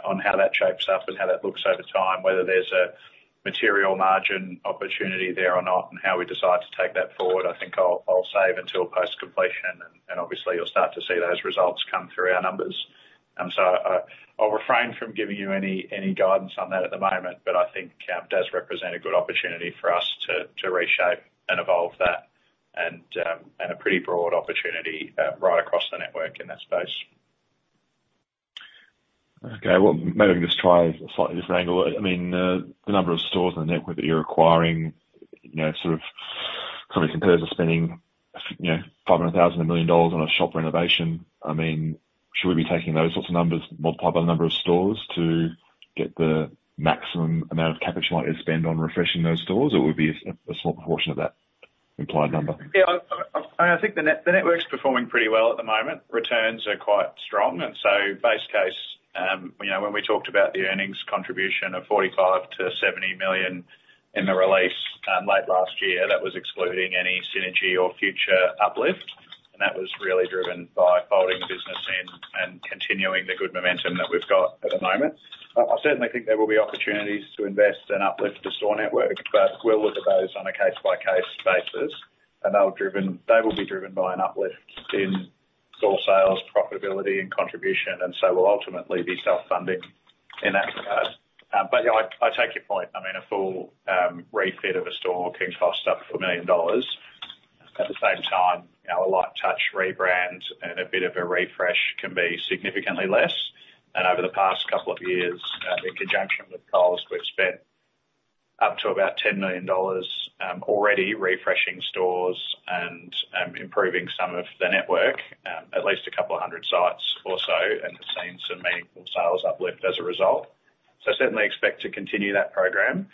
on how that shapes up and how that looks over time, whether there's a material margin opportunity there or not, and how we decide to take that forward. I think I'll save until post-completion and obviously you'll start to see those results come through our numbers. I'll refrain from giving you any guidance on that at the moment, but I think Camp does represent a good opportunity for us to reshape and evolve that and a pretty broad opportunity right across the network in that space. Okay. Well, maybe we can just try a slightly different angle. I mean, the number of stores in the network that you're acquiring, you know, sort of kind of compares to spending, you know, 1 million dollars on a shop renovation. I mean, should we be taking those sorts of numbers, multiply by the number of stores to get the maximum amount of Capex you might spend on refreshing those stores? Or would it be a small portion of that implied number? Yeah. I, I think the network's performing pretty well at the moment. Returns are quite strong. Base case, you know, when we talked about the earnings contribution of 45 million-70 million in the release late last year, that was excluding any synergy or future uplift, and that was really driven by folding the business in and continuing the good momentum that we've got at the moment. I certainly think there will be opportunities to invest and uplift the store network, but we'll look at those on a case-by-case basis. They will be driven by an uplift in store sales, profitability and contribution, so will ultimately be self-funding in that regard. But yeah, I take your point. I mean, a full refit of a store can cost up to 1 million dollars. At the same time, you know, a light touch rebrand and a bit of a refresh can be significantly less. Over the past couple of years, in conjunction with Coles, we've spentUp to about 10 million dollars already refreshing stores and improving some of the network, at least a couple of hundred sites or so, and we've seen some meaningful sales uplift as a result. Certainly expect to continue that program.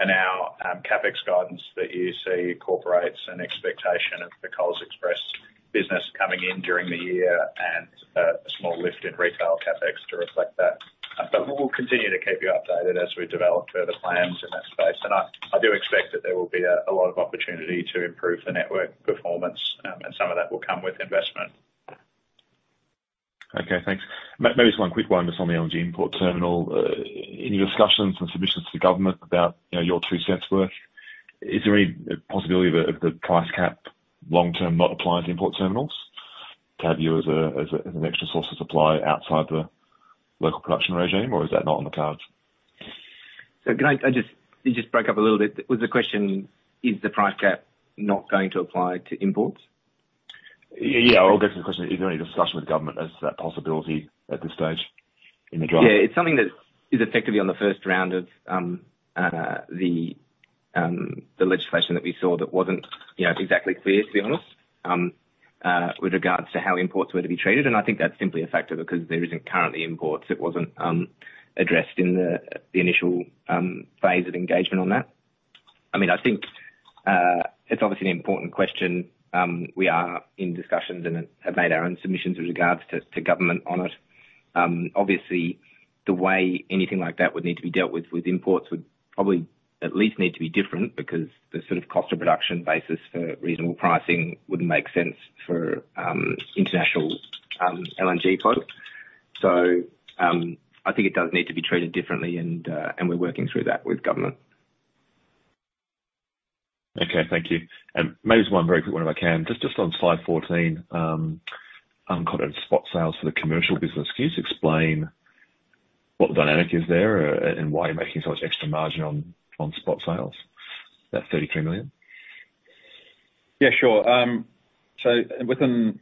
Our Capex guidance that you see incorporates an expectation of the Coles Express business coming in during the year and a small lift in retail Capex to reflect that. We'll continue to keep you updated as we develop further plans in that space. I do expect that there will be a lot of opportunity to improve the network performance, and some of that will come with investment. Okay, thanks. Maybe just one quick one just on the LNG import terminal. Any discussions and submissions to government about, you know, your two cents worth? Is there any possibility of the price cap long-term not applying to import terminals to have you as an extra source of supply outside the local production regime, or is that not on the cards? I just... You just broke up a little bit. Was the question, is the price cap not going to apply to imports? Yeah, I'll get to the question. Is there any discussion with government as to that possibility at this stage in the draft? Yeah, it's something that is effectively on the first round of the legislation that we saw that wasn't, you know, exactly clear, to be honest, with regards to how imports were to be treated. I think that's simply a factor because there isn't currently imports. It wasn't addressed in the initial phase of engagement on that. I think, it's obviously an important question. We are in discussions and have made our own submissions with regards to government on it. The way anything like that would need to be dealt with imports would probably at least need to be different because the sort of cost of production basis for reasonable pricing wouldn't make sense for international LNG product. I think it does need to be treated differently and we're working through that with government. Okay. Thank you. Maybe just one very quick one if I can. Just on slide 14, uncovered spot sales for the commercial business. Can you just explain what dynamic is there and why you're making so much extra margin on spot sales, that 33 million? Yeah, sure. Within,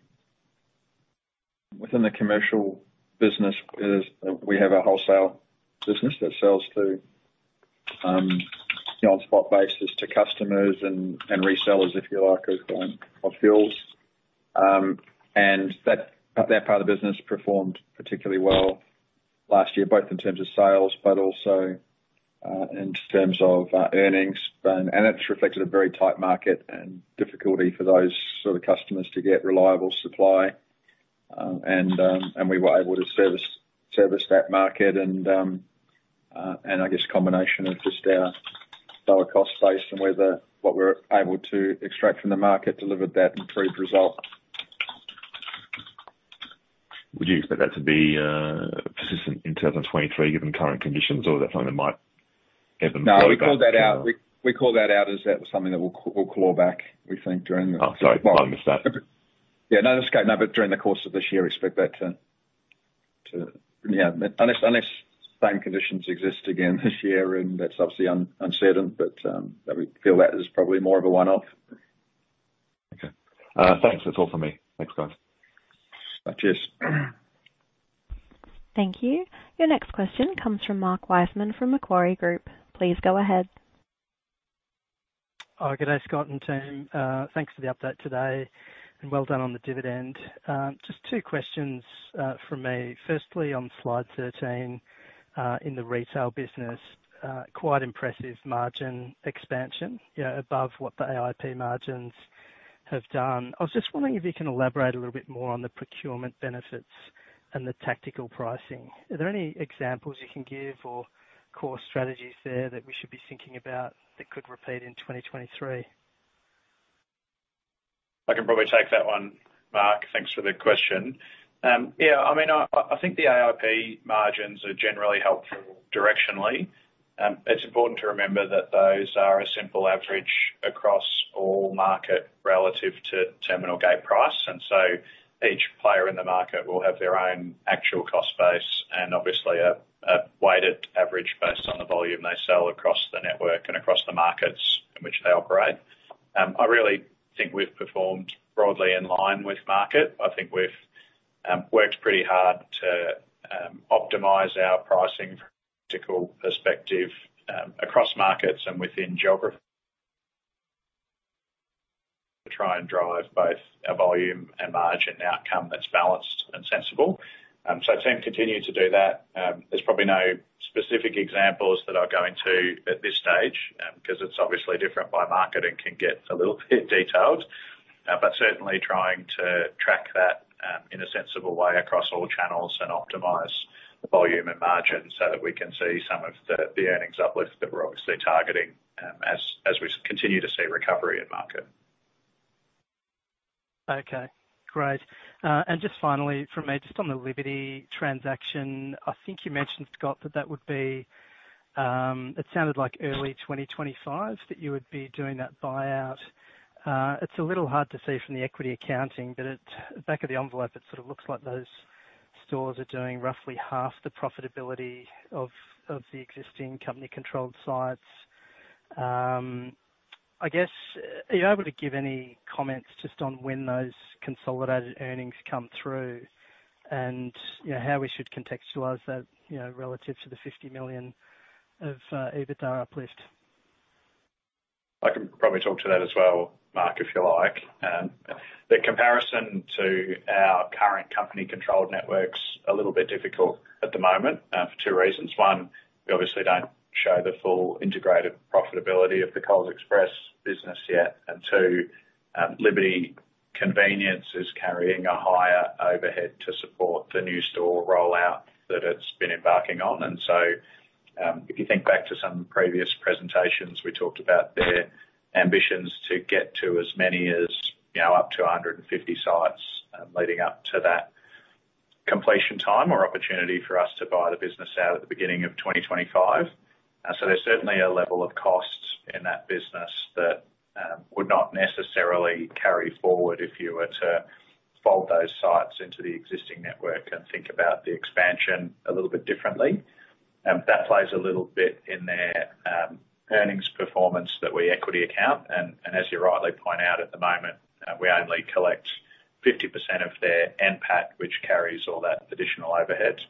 within the commercial business is we have a wholesale business that sells to, you know, on spot basis to customers and resellers, if you like, of fuels. That part of the business performed particularly well last year, both in terms of sales but also in terms of earnings. It's reflected a very tight market and difficulty for those sort of customers to get reliable supply. We were able to service that market and I guess combination of just our lower cost base and what we're able to extract from the market delivered that improved result. Would you expect that to be persistent in 2023 given current conditions, or is that something that might ebb and flow back? No, we called that out. We called that out as that was something that we'll claw back, we think, during the... Oh, sorry, if I missed that. Yeah, no, that's okay. No, but during the course of this year, expect that to. Yeah, unless same conditions exist again this year, and that's obviously uncertain, but we feel that is probably more of a one-off. Thanks. That's all for me. Thanks, guys. Cheers. Thank you. Your next question comes from Mark Wiseman from Macquarie Group. Please go ahead. G'day, Scott and team. Thanks for the update today and well done on the dividend. Just two questions from me. Firstly, on slide 13, in the retail business, quite impressive margin expansion, you know, above what the AIP margins have done. I was just wondering if you can elaborate a little bit more on the procurement benefits and the tactical pricing. Are there any examples you can give or core strategies there that we should be thinking about that could repeat in 2023? I can probably take that one, Mark. Thanks for the question. Yeah, I mean, I think the AIP margins are generally helpful directionally. It's important to remember that those are a simple average across all market relative to terminal gate price, and so each player in the market will have their own actual cost base and obviously a weighted average based on the volume they sell across the network and across the markets in which they operate. I really think we've performed broadly in line with market. I think we've worked pretty hard to optimize our pricing from a tactical perspective across markets and within geography to try and drive both a volume and margin outcome that's balanced and sensible. The team continue to do that. There's probably no specific examples that I'll go into at this stage, because it's obviously different by market and can get a little bit detailed. Certainly trying to track that in a sensible way across all channels and optimize the volume and margin so that we can see some of the earnings uplift that we're obviously targeting, as we continue to see recovery in market. Okay, great. Just finally from me, just on the Liberty transaction, I think you mentioned, Scott, that that would be... It sounded like early 2025 that you would be doing that buyout. It's a little hard to see from the equity accounting, but at back of the envelope, it sort of looks like those stores are doing roughly half the profitability of the existing company-controlled sites. I guess, are you able to give any comments just on when those consolidated earnings come through and, you know, how we should contextualize that, you know, relative to the 50 million of EBITDA uplift? I can probably talk to that as well, Mark, if you like. The comparison to our current company controlled network's a little bit difficult at the moment, for two reasons. One, we obviously don't show the full integrated profitability of the Coles Express business yet. Two, Liberty Convenience is carrying a higher overhead to support the new store rollout that it's been embarking on. If you think back to some previous presentations, we talked about their ambitions to get to as many as, you know, up to 150 sites, leading up to that completion time or opportunity for us to buy the business out at the beginning of 2025. There's certainly a level of costs in that business that would not necessarily carry forward if you were to fold those sites into the existing network and think about the expansion a little bit differently. That plays a little bit in their earnings performance that we equity account. As you rightly point out, at the moment, we only collect 50% of their NPAT, which carries all that additional overhead.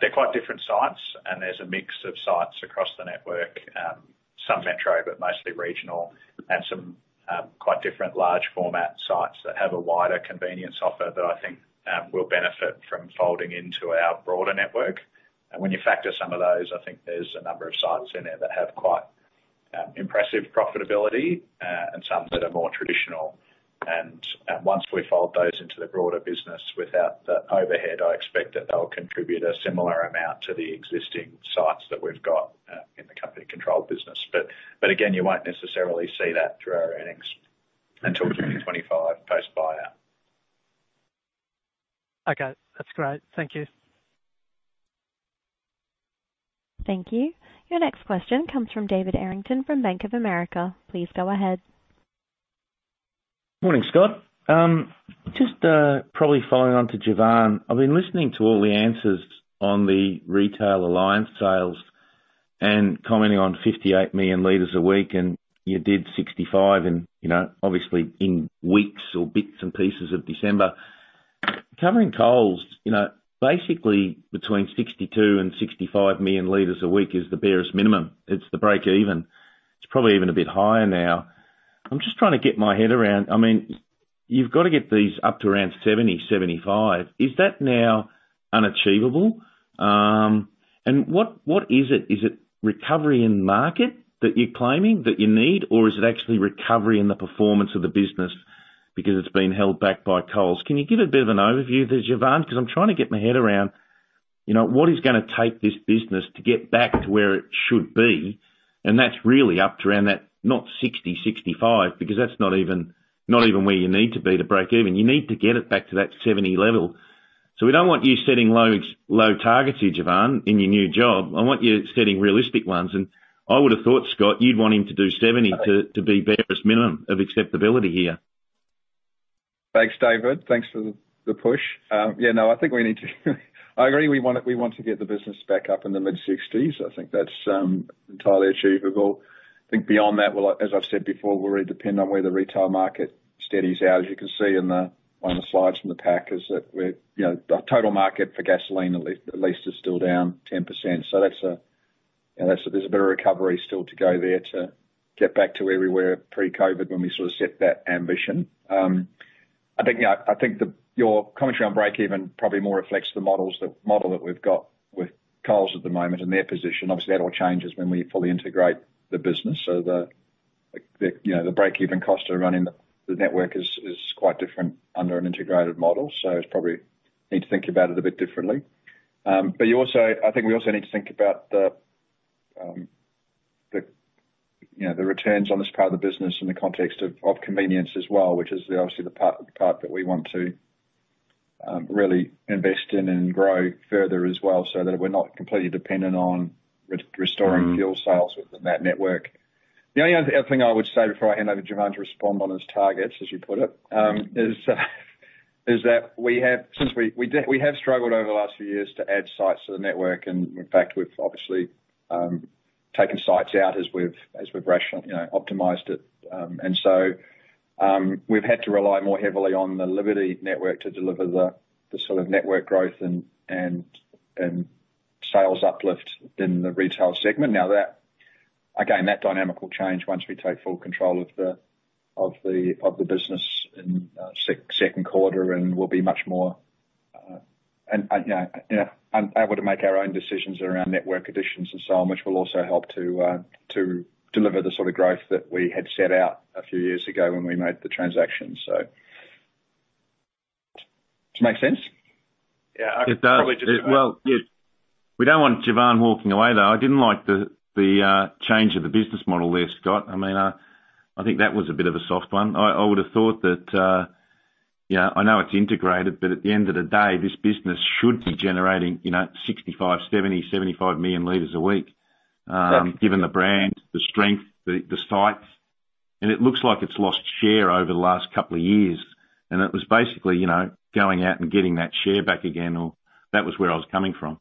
They're quite different sites, and there's a mix of sites across the network. Some metro, but mostly regional, and some quite different large format sites that have a wider convenience offer that I think will benefit from folding into our broader network. When you factor some of those, I think there's a number of sites in there that have quite, impressive profitability, and some that are more traditional. Once we fold those into the broader business without the overhead, I expect that they'll contribute a similar amount to the existing sites that we've got, in the company controlled business. But again, you won't necessarily see that through our earnings until 2025 post buy out. Okay. That's great. Thank you. Thank you. Your next question comes from David Errington from Bank of America. Please go ahead. Morning, Scott. just probably following on to Jevan. I've been listening to all the answers on the retail alliance sales and commenting on 58 million liters a week, and you did 65 and, you know, obviously in weeks or bits and pieces of December. Covering Coles, you know, basically between 62-65 million liters a week is the barest minimum. It's the break-even. It's probably even a bit higher now. I'm just trying to get my head around... I mean, you've got to get these up to around 70, 75. Is that now unachievable? What, what is it? Is it recovery in the market that you're claiming that you need, or is it actually recovery in the performance of the business because it's been held back by Coles? Can you give a bit of an overview there, Jevan? I'm trying to get my head around, you know, what is gonna take this business to get back to where it should be, and that's really up to around that not 60, 65, because that's not even, not even where you need to be to break even. You need to get it back to that 70 level. We don't want you setting low, low targets here, Jevan, in your new job. I want you setting realistic ones, and I would have thought, Scott, you'd want him to do 70 to be barest minimum of acceptability here. Thanks, David. Thanks for the push. Yeah, no, I think we need to I agree. We want to get the business back up in the mid-60s. I think that's entirely achievable. I think beyond that, well, as I've said before, will really depend on where the retail market steadies out. As you can see on the slides from the pack is that we're, you know, the total market for gasoline at least is still down 10%. That's, you know, there's a bit of recovery still to go there to get back to where we were pre-COVID when we sort of set that ambition. I think, yeah, I think your commentary on break-even probably more reflects the model that we've got with Coles at the moment and their position. Obviously, that all changes when we fully integrate the business. The, you know, the break-even cost of running the network is quite different under an integrated model. It's probably need to think about it a bit differently. You also, I think we also need to think about the, you know, the returns on this part of the business in the context of convenience as well, which is obviously the part that we want to really invest in and grow further as well, so that we're not completely dependent on re-restoring fuel sales within that network. The only other thing I would say before I hand over to Jevan to respond on his targets, as you put it, is that we have, since we did, we have struggled over the last few years to add sites to the network, and in fact, we've obviously, taken sites out as we've rationed, you know, optimized it. We've had to rely more heavily on the Liberty network to deliver the sort of network growth and sales uplift in the retail segment. That, again, that dynamic will change once we take full control of the business in second quarter, and we'll be much more, and you know, able to make our own decisions around network additions and so on, which will also help to deliver the sort of growth that we had set out a few years ago when we made the transaction. Does it make sense? Yeah. It does. Probably. Well, yeah. We don't want Jevan walking away, though. I didn't like the change of the business model there, Scott Wyatt. I mean, I think that was a bit of a soft one. I would have thought that, yeah, I know it's integrated, but at the end of the day, this business should be generating, you know, 65, 70, 75 million liters a week. Yeah. Given the brand, the strength, the sites. It looks like it's lost share over the last couple of years. It was basically, you know, going out and getting that share back again or. That was where I was coming from.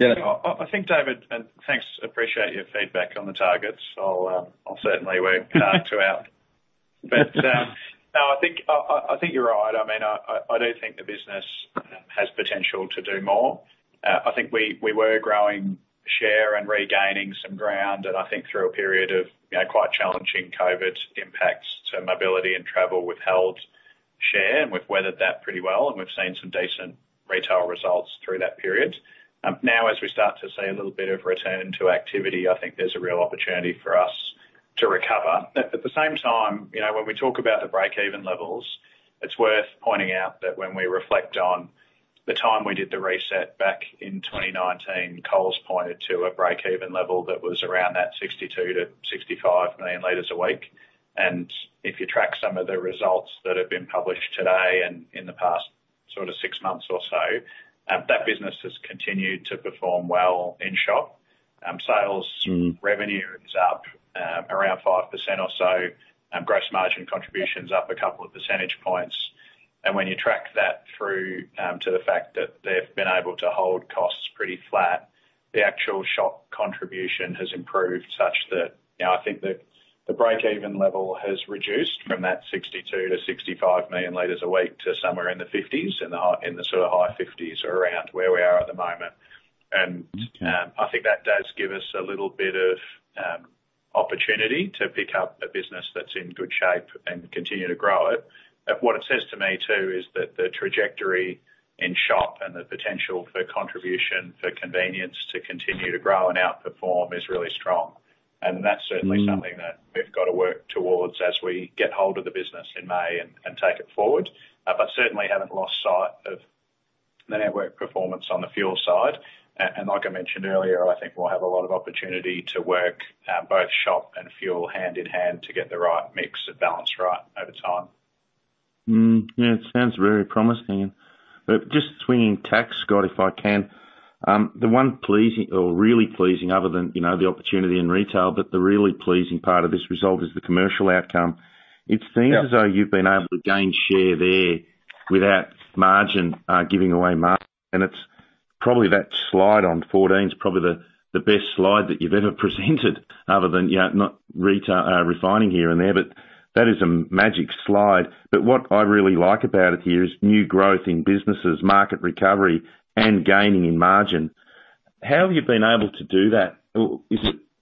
I think, David, thanks, appreciate your feedback on the targets. I'll certainly work hard to out. No, I think, I think you're right. I mean, I do think the business has potential to do more. I think we were growing share and regaining some ground, and I think through a period of, you know, quite challenging COVID impacts to mobility and travel, we've held share, and we've weathered that pretty well, and we've seen some decent retail results through that period. Now, as we start to see a little bit of return to activity, I think there's a real opportunity for us to recover. At the same time, you know, when we talk about the break-even levels, it's worth pointing out that when we reflect on the time we did the reset back in 2019, Coles pointed to a break-even level that was around that 62 million-65 million liters a week. If you track some of the results that have been published today and in the past sort of six months or so, that business has continued to perform well in shop. revenue is up, around 5% or so, gross margin contributions up a couple of percentage points. When you track that through to the fact that they've been able to hold costs pretty flat, the actual shop contribution has improved such that, you know, I think the break-even level has reduced from that 62-65 million liters a week to somewhere in the 50s, in the sort of high 50s around where we are at the moment. Okay. I think that does give us a little bit of opportunity to pick up a business that's in good shape and continue to grow it. What it says to me, too, is that the trajectory in shop and the potential for contribution, for convenience to continue to grow and outperform is really strong. That's certainly. something that we've got to work towards as we get hold of the business in May and take it forward. Certainly haven't lost sight of the network performance on the fuel side. Like I mentioned earlier, I think we'll have a lot of opportunity to work, both shop and fuel hand in hand to get the right mix of balance right over time. Yeah, it sounds very promising. Just swinging tax, Scott, if I can, the one pleasing or really pleasing other than, you know, the opportunity in retail, but the really pleasing part of this result is the commercial outcome. Yeah. as though you've been able to gain share there without margin, giving away. It's probably that slide on 14's probably the best slide that you've ever presented other than, you know, not refining here and there, but that is a magic slide. What I really like about it here is new growth in businesses, market recovery, and gaining in margin. How have you been able to do that?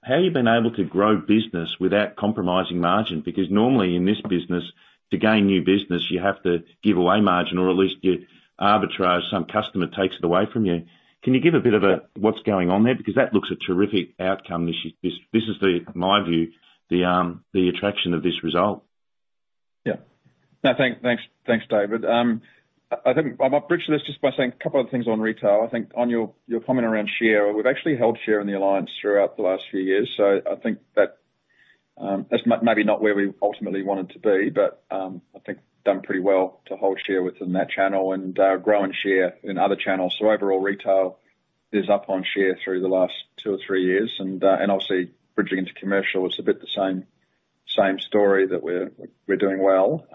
How have you been able to grow business without compromising margin? Normally in this business, to gain new business, you have to give away margin or at least you arbitrage, some customer takes it away from you. Can you give a bit of a what's going on there? That looks a terrific outcome this is the, my view, the attraction of this result. Yeah. No, thanks, David. I think I might bridge this just by saying a couple other things on retail. I think on your comment around share, we've actually held share in the alliance throughout the last few years, so I think that, maybe not where we ultimately wanted to be, but, I think done pretty well to hold share within that channel and grow and share in other channels. Overall retail is up on share through the last two or three years. obviously bridging into commercial, it's a bit the same story that we're doing well.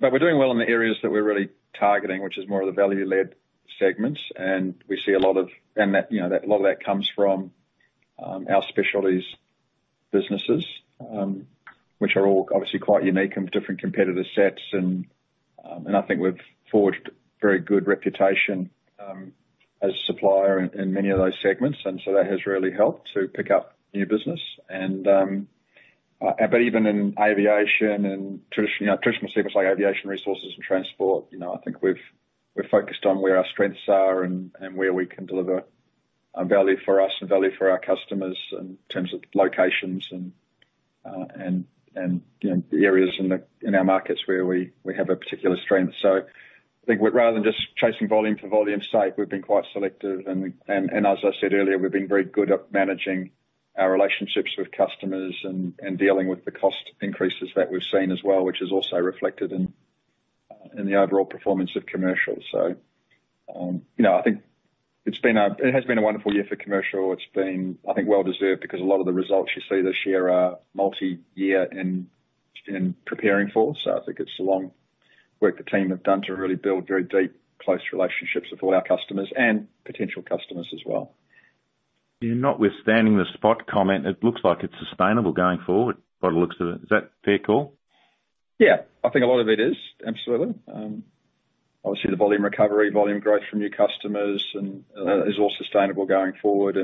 We're doing well in the areas that we're really targeting, which is more of the value-led segments. We see a lot of... That, you know, a lot of that comes from our specialties businesses, which are all obviously quite unique and different competitor sets. I think we've forged very good reputation as a supplier in many of those segments. That has really helped to pick up new business. Even in aviation and tradition, you know, traditional segments like aviation resources and transport, you know, I think we've, we're focused on where our strengths are and where we can deliver value for us and value for our customers in terms of locations and, you know, areas in the, in our markets where we have a particular strength. I think rather than just chasing volume for volume's sake, we've been quite selective and as I said earlier, we've been very good at managing our relationships with customers and dealing with the cost increases that we've seen as well, which is also reflected in the overall performance of commercial. You know, I think it has been a wonderful year for commercial. It's been, I think, well deserved because a lot of the results you see this year are multi-year in preparing for. I think it's the long work the team have done to really build very deep close relationships with all our customers and potential customers as well. Yeah, notwithstanding the spot comment, it looks like it's sustainable going forward, by the looks of it. Is that fair call? Yeah. I think a lot of it is, absolutely. Obviously the volume recovery, volume growth from new customers and, is all sustainable going forward.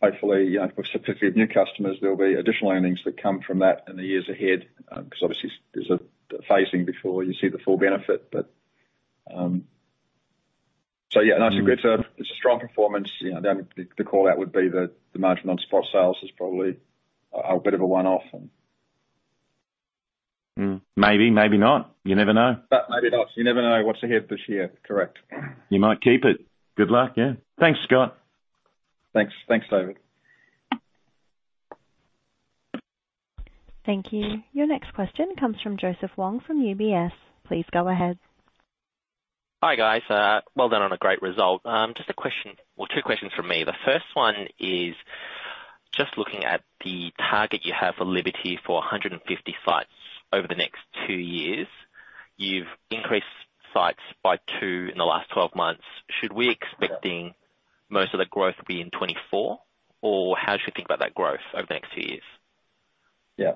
Hopefully, you know, with some 50 new customers, there'll be additional earnings that come from that in the years ahead, 'cause obviously there's a phasing before you see the full benefit. Yeah, I agree to, it's a strong performance. You know, the call out would be the margin on spot sales is probably a bit of a one-off and... Maybe, maybe not. You never know. Maybe not. You never know what's ahead this year. Correct. You might keep it. Good luck. Yeah. Thanks, Scott. Thanks. Thanks, David. Thank you. Your next question comes from Joseph Wong from UBS. Please go ahead. Hi, guys. Well done on a great result. Just a question. Well, two questions from me. The first one is- Just looking at the target you have for Liberty for 150 sites over the next two years. You've increased sites by two in the last 12 months. Should we expecting most of the growth to be in 2024? How should we think about that growth over the next few years? Yeah.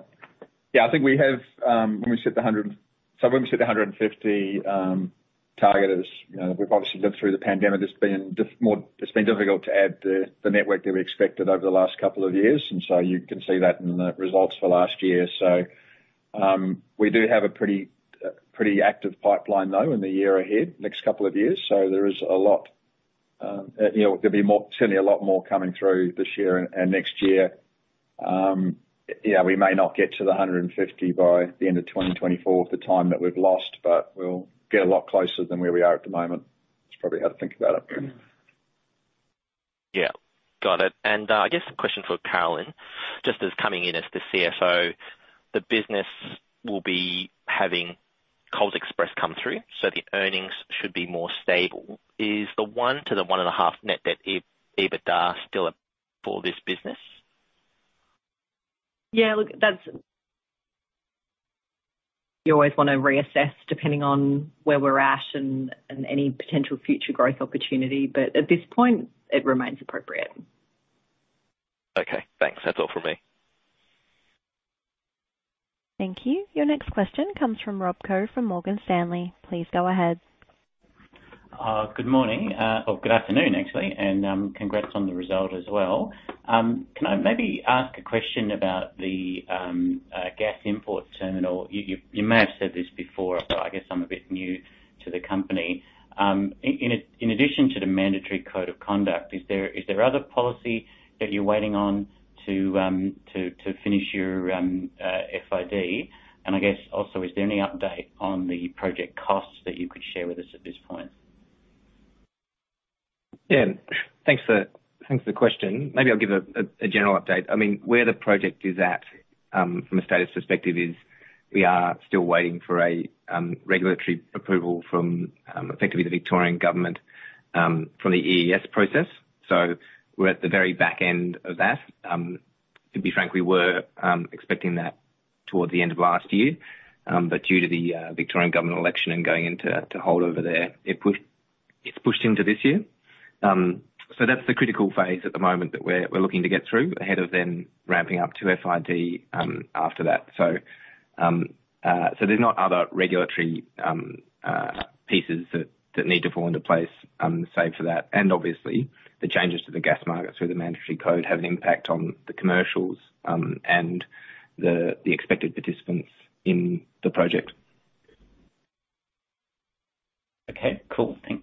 Yeah, I think we have, when we set the 150 target, as you know, we've obviously lived through the pandemic. It's been difficult to add the network that we expected over the last couple of years. You can see that in the results for last year. We do have a pretty active pipeline, though, in the year ahead, next couple of years. There is a lot, you know, certainly a lot more coming through this year and next year. Yeah, we may not get to the 150 by the end of 2024 with the time that we've lost, but we'll get a lot closer than where we are at the moment. That's probably how to think about it. Yeah. Got it. I guess a question for Carolyn. Just as coming in as the CFO, the business will be having Coles Express come through, so the earnings should be more stable. Is the 1 -1.5 net debt EBITDA still up for this business? Yeah, look, you always wanna reassess, depending on where we're at and any potential future growth opportunity, but at this point it remains appropriate. Okay, thanks. That's all from me. Thank you. Your next question comes from Rob Koh from Morgan Stanley. Please go ahead. Good morning, or good afternoon actually, and congrats on the result as well. Can I maybe ask a question about the gas import terminal? You may have said this before, but I guess I'm a bit new to the company. In addition to the mandatory code of conduct, is there other policy that you're waiting on to finish your FID? I guess also, is there any update on the project costs that you could share with us at this point? Thanks for the question. Maybe I'll give a general update. I mean, where the project is at, from a status perspective is we are still waiting for a regulatory approval from effectively the Victorian government from the EES process. We're at the very back end of that. To be frank, we were expecting that towards the end of last year, but due to the Victorian government election and going into hold over there, it pushed, it's pushed into this year. That's the critical phase at the moment that we're looking to get through ahead of them ramping up to FID after that. There's not other regulatory pieces that need to fall into place save for that. Obviously, the changes to the gas market through the Mandatory Code have an impact on the commercials, and the expected participants in the project.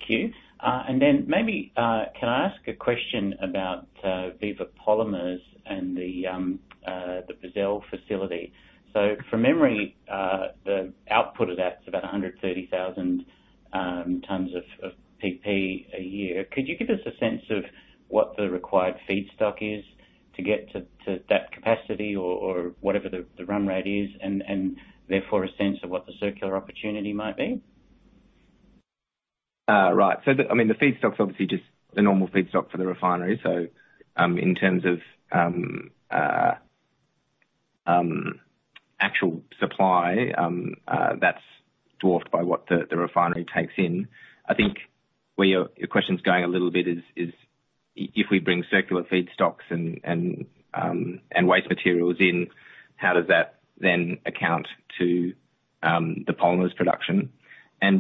you. And then maybe, can I ask a question about Viva Energy Polymers and the LyondellBasell facility? So from memory, the output of that's about 130,000 tons of PP a year. Could you give us a sense of what the required feedstock is to get to that capacity or whatever the run rate is, and therefore a sense of what the circular opportunity might be? Right. I mean, the feedstock's obviously just the normal feedstock for the refinery. In terms of actual supply, that's dwarfed by what the refinery takes in. I think where your question's going a little bit is if we bring circular feedstocks and waste materials in, how does that then account to the polymers production?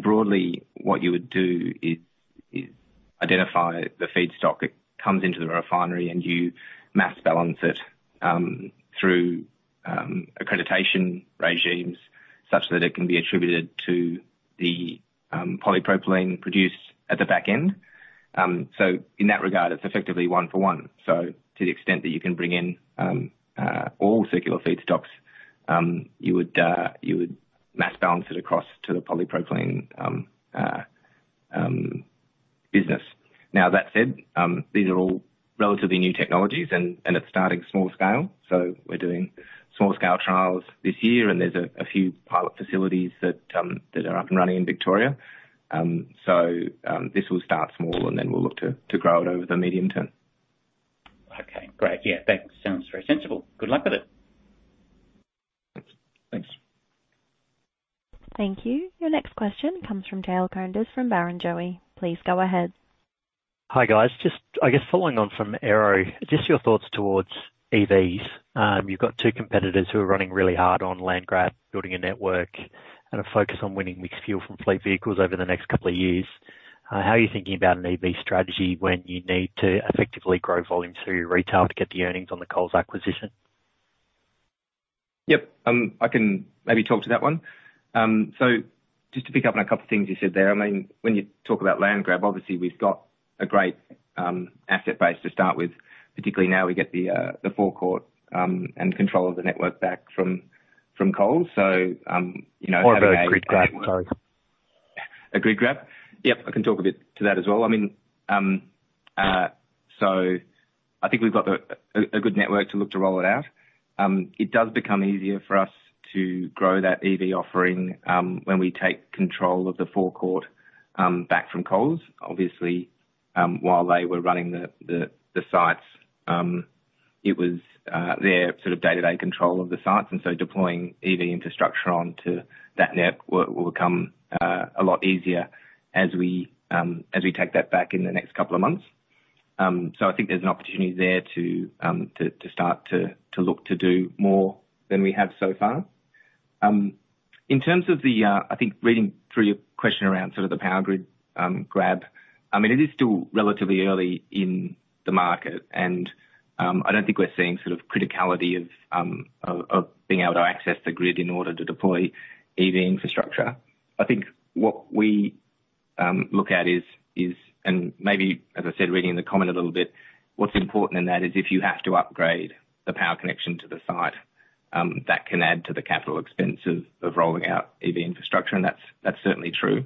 Broadly, what you would do is identify the feedstock that comes into the refinery and you mass balance it through accreditation regimes such that it can be attributed to the polypropylene produced at the back end. In that regard, it's effectively one for one. To the extent that you can bring in all circular feedstocks, you would mass balance it across to the polypropylene business. That said, these are all relatively new technologies and it's starting small scale. We're doing small scale trials this year and there's a few pilot facilities that are up and running in Victoria. This will start small and then we'll look to grow it over the medium term. Okay, great. Yeah, thanks. Sounds very sensible. Good luck with it. Thanks. Thank you. Your next question comes from Dale Koenders from Barrenjoey. Please go ahead. Hi, guys. Just I guess following on from Arrow, just your thoughts towards EVs. You've got two competitors who are running really hard on Landgrab building a network and a focus on winning mixed fuel from fleet vehicles over the next two years. How are you thinking about an EV strategy when you need to effectively grow volume through retail to get the earnings on the Coles acquisition? Yep. I can maybe talk to that one. Just to pick up on a couple of things you said there. I mean, when you talk about Landgrab, obviously we've got a great asset base to start with, particularly now we get the forecourt and control of the network back from Coles. You know. A grid grab? Yep. I can talk a bit to that as well. I mean, I think we've got a good network to look to roll it out. It does become easier for us to grow that EV offering when we take control of the forecourt back from Coles. While they were running the, the sites, it was their sort of day-to-day control of the sites. Deploying EV infrastructure onto that network will become a lot easier as we take that back in the next couple of months. I think there's an opportunity there to start to look to do more than we have so far. In terms of the, I think reading through your question around sort of the power grid, grab, I mean, it is still relatively early in the market and, I don't think we're seeing sort of criticality of being able to access the grid in order to deploy EV infrastructure. I think what we look at is and maybe, as I said, reading in the comment a little bit, what's important in that is if you have to upgrade the power connection to the site, that can add to the capital expense of rolling out EV infrastructure, and that's certainly true.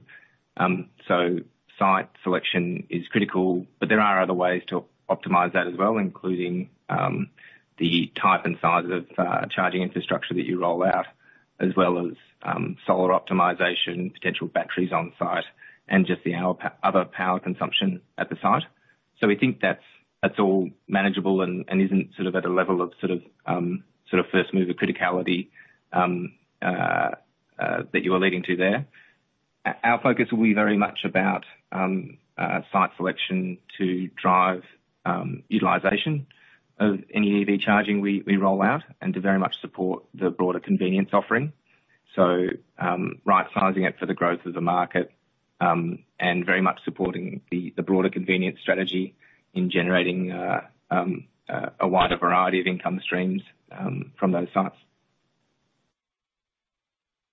Site selection is critical, but there are other ways to optimize that as well, including the type and size of charging infrastructure that you roll out, as well as solar optimization, potential batteries on site, and just the other power consumption at the site. We think that's all manageable and isn't sort of at a level of sort of first mover criticality that you are leading to there. Our focus will be very much about site selection to drive utilization of any EV charging we roll out and to very much support the broader convenience offering. Right-sizing it for the growth of the market, and very much supporting the broader convenience strategy in generating a wider variety of income streams from those sites.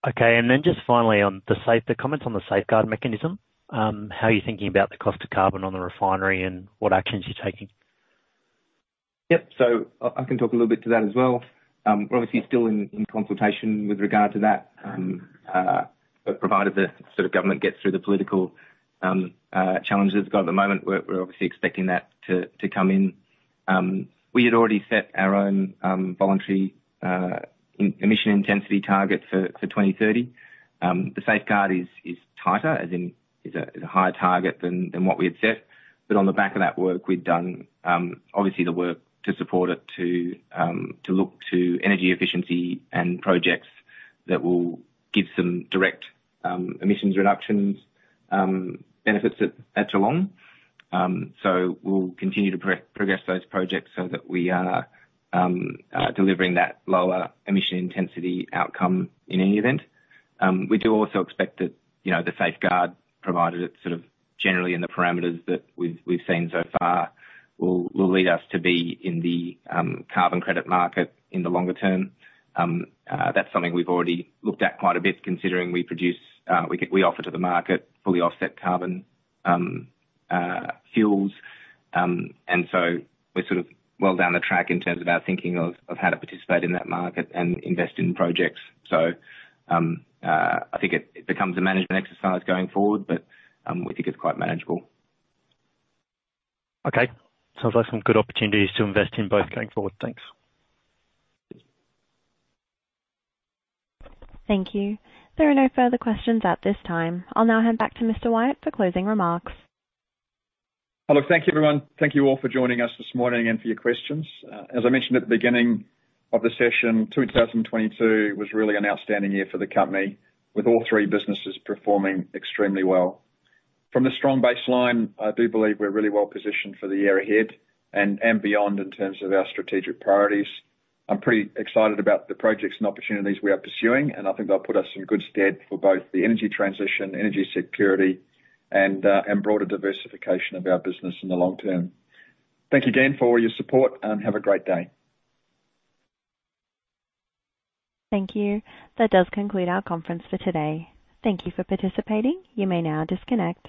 Okay. Then just finally on the comments on the Safeguard Mechanism, how are you thinking about the cost of carbon on the refinery and what actions you're taking? Yep. I can talk a little bit to that as well. We're obviously still in consultation with regard to that. Provided the sort of government gets through the political challenges it's got at the moment, we're obviously expecting that to come in. We had already set our own voluntary emission intensity target for 2030. The Safeguard is tighter, as in is a higher target than what we had set. On the back of that work we'd done, obviously the work to support it to look to energy efficiency and projects that will give some direct emissions reductions benefits at Geelong. We'll continue to progress those projects so that we are delivering that lower emission intensity outcome in any event. We do also expect that, you know, the Safeguard, provided it's sort of generally in the parameters that we've seen so far, will lead us to be in the carbon credit market in the longer term. That's something we've already looked at quite a bit considering we produce we offer to the market fully offset carbon fuels. We're sort of well down the track in terms of our thinking of how to participate in that market and invest in projects. I think it becomes a management exercise going forward, but we think it's quite manageable. Okay. Sounds like some good opportunities to invest in both going forward. Thanks. Thank you. There are no further questions at this time. I'll now hand back to Mr. Wyatt for closing remarks. Hello. Thank you, everyone. Thank you all for joining us this morning and for your questions. As I mentioned at the beginning of the session, 2022 was really an outstanding year for the company, with all three businesses performing extremely well. From the strong baseline, I do believe we're really well positioned for the year ahead and beyond in terms of our strategic priorities. I'm pretty excited about the projects and opportunities we are pursuing, and I think they'll put us in good stead for both the energy transition, energy security, and broader diversification of our business in the long term. Thank you again for all your support and have a great day. Thank you. That does conclude our conference for today. Thank you for participating. You may now disconnect.